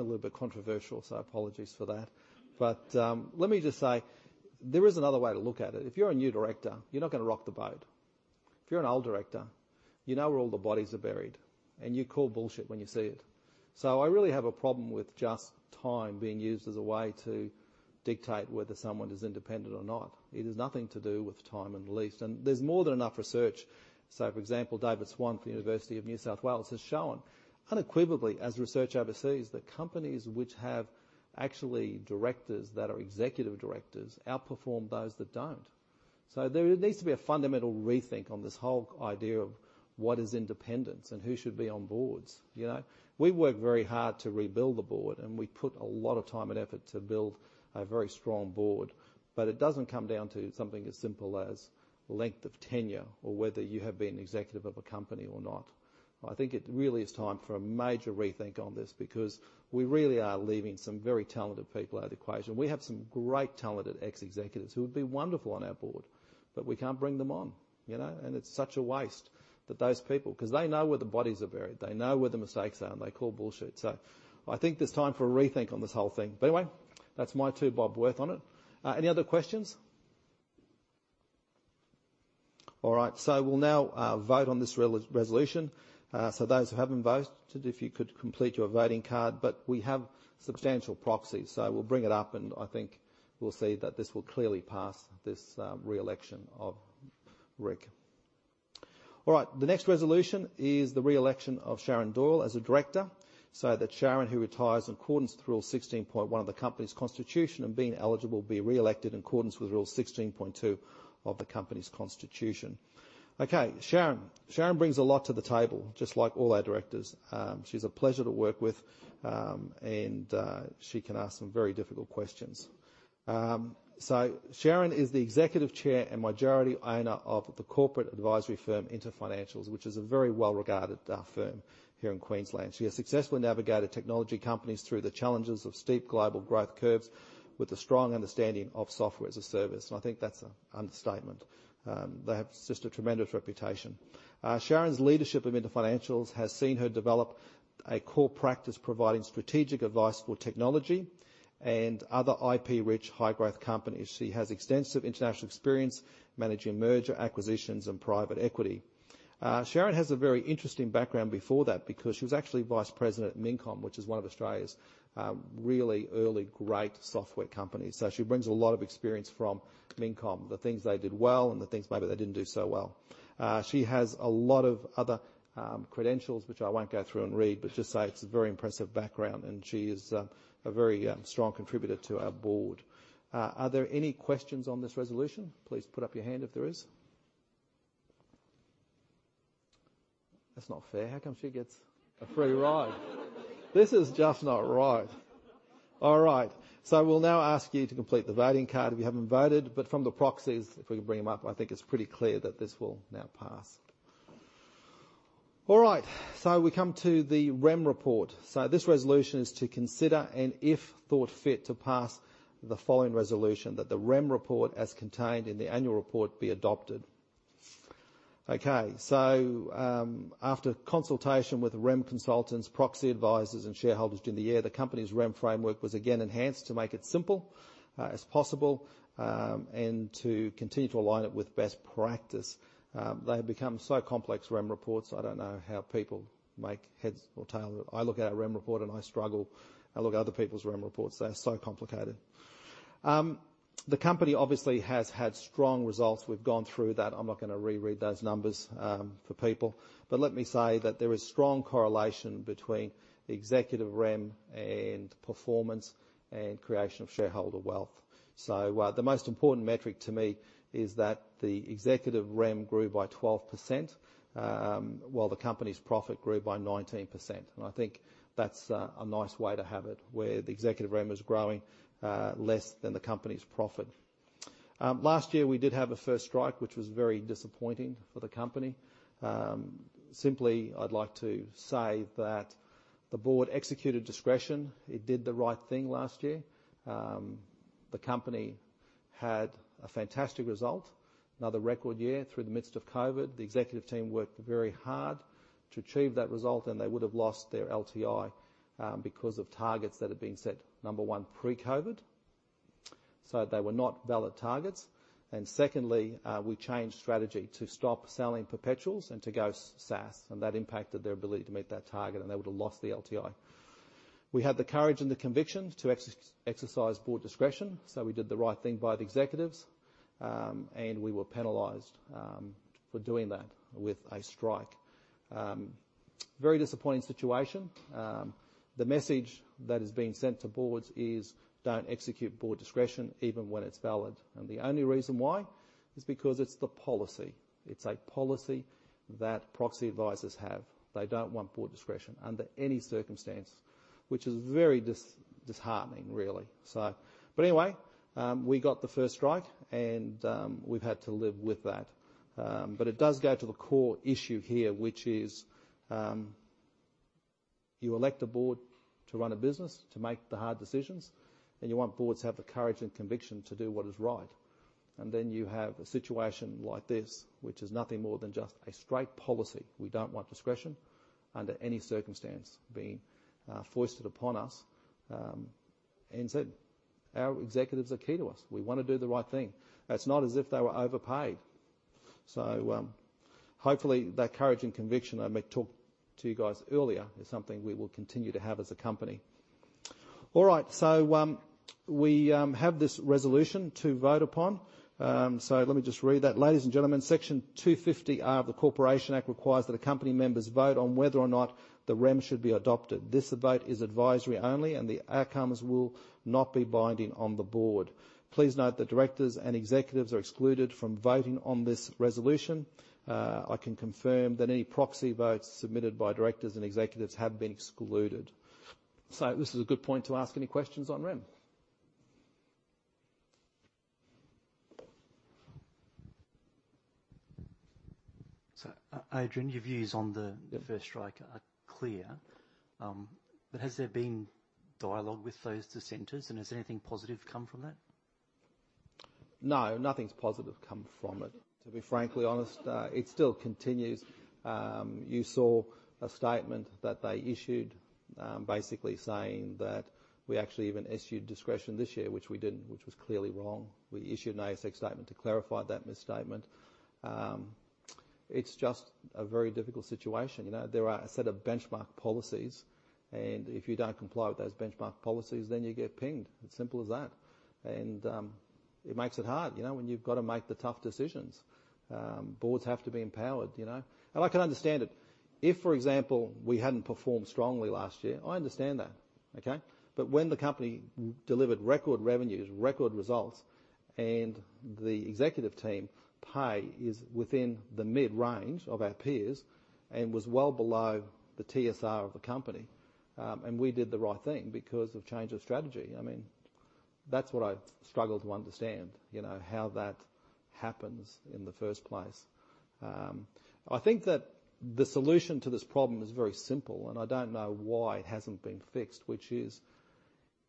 a little bit controversial, so apologies for that. Let me just say, there is another way to look at it. If you're a new director, you're not gonna rock the boat. If you're an old director, you know where all the bodies are buried, and you call bullshit when you see it. I really have a problem with just time being used as a way to dictate whether someone is independent or not. It is nothing to do with time in the least. There's more than enough research. For example, David Swan from University of New South Wales has shown unequivocally his research overseas that companies which have actually directors that are executive directors outperform those that don't. There needs to be a fundamental rethink on this whole idea of what is independence and who should be on boards, you know? We work very hard to rebuild the board, and we put a lot of time and effort to build a very strong board. It doesn't come down to something as simple as length of tenure or whether you have been executive of a company or not. I think it really is time for a major rethink on this because we really are leaving some very talented people out of the equation. We have some great talented ex-executives who would be wonderful on our board, but we can't bring them on, you know. It's such a waste that those people, 'cause they know where the bodies are buried. They know where the mistakes are, and they call bullshit. I think it's time for a rethink on this whole thing. Anyway, that's my two bob worth on it. Any other questions? All right. We'll now vote on this resolution. Those who haven't voted, if you could complete your voting card. We have substantial proxies, so we'll bring it up, and I think we'll see that this will clearly pass this reelection of Rick. All right. The next resolution is the reelection of Sharon Doyle as a director. That Sharon, who retires in accordance with rule 16.1 of the company's constitution and being eligible to be reelected in accordance with rule 16.2 of the company's constitution. Okay, Sharon. Sharon brings a lot to the table, just like all our directors. She's a pleasure to work with, and she can ask some very difficult questions. Sharon is the Executive Chair and majority owner of the corporate advisory firm, InterFinancial, which is a very well-regarded firm here in Queensland. She has successfully navigated technology companies through the challenges of steep global growth curves with a strong understanding of Software as a Service. I think that's an understatement. They have just a tremendous reputation. Sharon's leadership of InterFinancial has seen her develop a core practice providing strategic advice for technology and other IP-rich, high-growth companies. She has extensive international experience managing mergers and acquisitions and private equity. Sharon has a very interesting background before that because she was actually Vice President at Mincom, which is one of Australia's really early great software companies. She brings a lot of experience from Mincom, the things they did well and the things maybe they didn't do so well. She has a lot of other credentials, which I won't go through and read, but just say it's a very impressive background, and she is a very strong contributor to our board. Are there any questions on this resolution? Please put up your hand if there is. That's not fair. How come she gets a free ride? This is just not right. All right. We'll now ask you to complete the voting card if you haven't voted. From the proxies, if we can bring them up, I think it's pretty clear that this will now pass. All right, we come to the REM report. This resolution is to consider, and if thought fit, to pass the following resolution that the REM report as contained in the annual report be adopted. Okay. After consultation with REM consultants, proxy advisors, and shareholders during the year, the company's REM framework was again enhanced to make it simple, as possible, and to continue to align it with best practice. They have become so complex REM reports, I don't know how people make heads or tails. I look at a REM report and I struggle. I look at other people's REM reports, they are so complicated. The company obviously has had strong results. We've gone through that. I'm not gonna reread those numbers, for people. Let me say that there is strong correlation between executive REM and performance and creation of shareholder wealth. The most important metric to me is that the executive REM grew by 12%, while the company's profit grew by 19%. I think that's a nice way to have it, where the executive REM is growing less than the company's profit. Last year we did have a first strike, which was very disappointing for the company. Simply, I'd like to say that the board exercised discretion. It did the right thing last year. The company had a fantastic result, another record year through the midst of COVID. The executive team worked very hard to achieve that result, and they would have lost their LTI because of targets that had been set, number one, pre-COVID. They were not valid targets and secondly, we changed strategy to stop selling perpetuals and to go SaaS, and that impacted their ability to meet that target and they would have lost the LTI. We had the courage and the conviction to exercise board discretion, so we did the right thing by the executives, and we were penalized for doing that with a strike. Very disappointing situation. The message that is being sent to boards is, "Don't execute board discretion even when it's valid." The only reason why is because it's the policy. It's a policy that proxy advisors have. They don't want board discretion under any circumstance, which is very disheartening, really. We got the first strike and we've had to live with that. It does go to the core issue here, which is, you elect a board to run a business, to make the hard decisions, and you want boards to have the courage and conviction to do what is right. You have a situation like this, which is nothing more than just a straight policy. We don't want discretion under any circumstance being foisted upon us. Our executives are key to us. We wanna do the right thing. It's not as if they were overpaid. Hopefully that courage and conviction I talked to you guys earlier is something we will continue to have as a company. All right, we have this resolution to vote upon. Let me just read that. Ladies and gentlemen, Section 250R of the Corporations Act requires that a company members vote on whether or not the REM should be adopted. This vote is advisory only, and the outcomes will not be binding on the board. Please note that directors and executives are excluded from voting on this resolution. I can confirm that any proxy votes submitted by directors and executives have been excluded. This is a good point to ask any questions on REM. Adrian, your views on the first strike are clear, but has there been dialogue with those dissenters, and has anything positive come from that? No, nothing's positive come from it, to be frankly honest. It still continues. You saw a statement that they issued, basically saying that we actually even issued discretion this year, which we didn't, which was clearly wrong. We issued an ASX statement to clarify that misstatement. It's just a very difficult situation. You know, there are a set of benchmark policies, and if you don't comply with those benchmark policies, then you get pinged. As simple as that. It makes it hard, you know, when you've got to make the tough decisions. Boards have to be empowered, you know. I can understand it. If, for example, we hadn't performed strongly last year, I understand that. Okay? when the company delivered record revenues, record results, and the executive team pay is within the mid-range of our peers and was well below the TSR of the company, and we did the right thing because of change of strategy. I mean, that's what I struggle to understand, you know, how that happens in the first place. I think that the solution to this problem is very simple, and I don't know why it hasn't been fixed, which is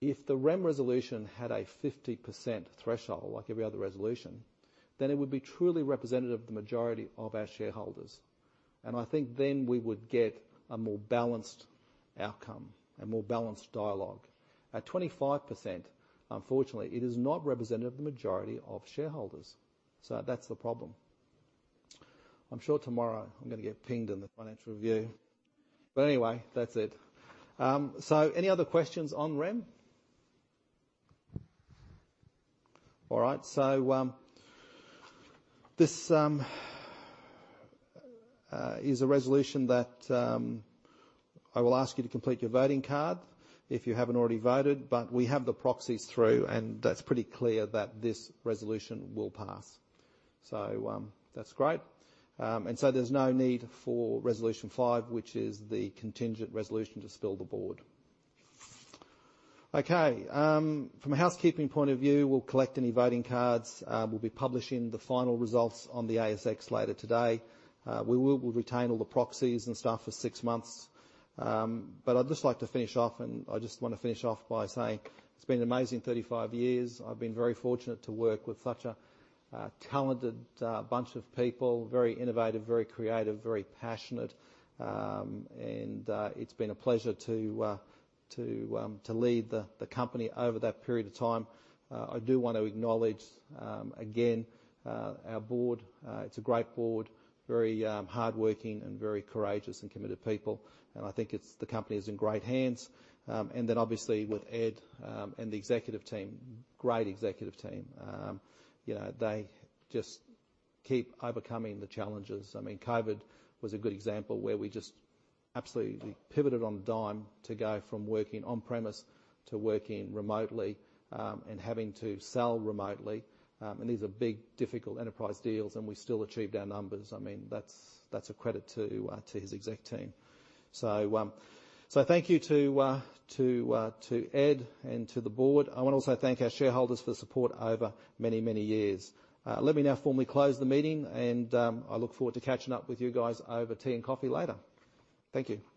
if the REM resolution had a 50% threshold, like every other resolution, then it would be truly representative of the majority of our shareholders. I think then we would get a more balanced outcome, a more balanced dialogue. At 25%, unfortunately, it is not representative of the majority of shareholders. that's the problem. I'm sure tomorrow I'm gonna get pinged in the financial review. Anyway, that's it. Any other questions on REM? All right. This is a resolution that I will ask you to complete your voting card if you haven't already voted, but we have the proxies through, and that's pretty clear that this resolution will pass. That's great. There's no need for resolution 5, which is the contingent resolution to spill the board. Okay, from a housekeeping point of view, we'll collect any voting cards. We'll be publishing the final results on the ASX later today. We will retain all the proxies and stuff for six months. But I'd just like to finish off by saying it's been an amazing 35 years. I've been very fortunate to work with such a talented bunch of people. Very innovative, very creative, very passionate. It's been a pleasure to lead the company over that period of time. I do want to acknowledge again our board. It's a great board. Very hardworking and very courageous and committed people. I think the company is in great hands. Then obviously with Ed and the executive team, great executive team. You know, they just keep overcoming the challenges. I mean, COVID was a good example where we just absolutely pivoted on a dime to go from working on-premise to working remotely and having to sell remotely. These are big, difficult enterprise deals, and we still achieved our numbers. I mean, that's a credit to his exec team. Thank you to Ed and to the board. I wanna also thank our shareholders for the support over many, many years. Let me now formally close the meeting, and I look forward to catching up with you guys over tea and coffee later. Thank you.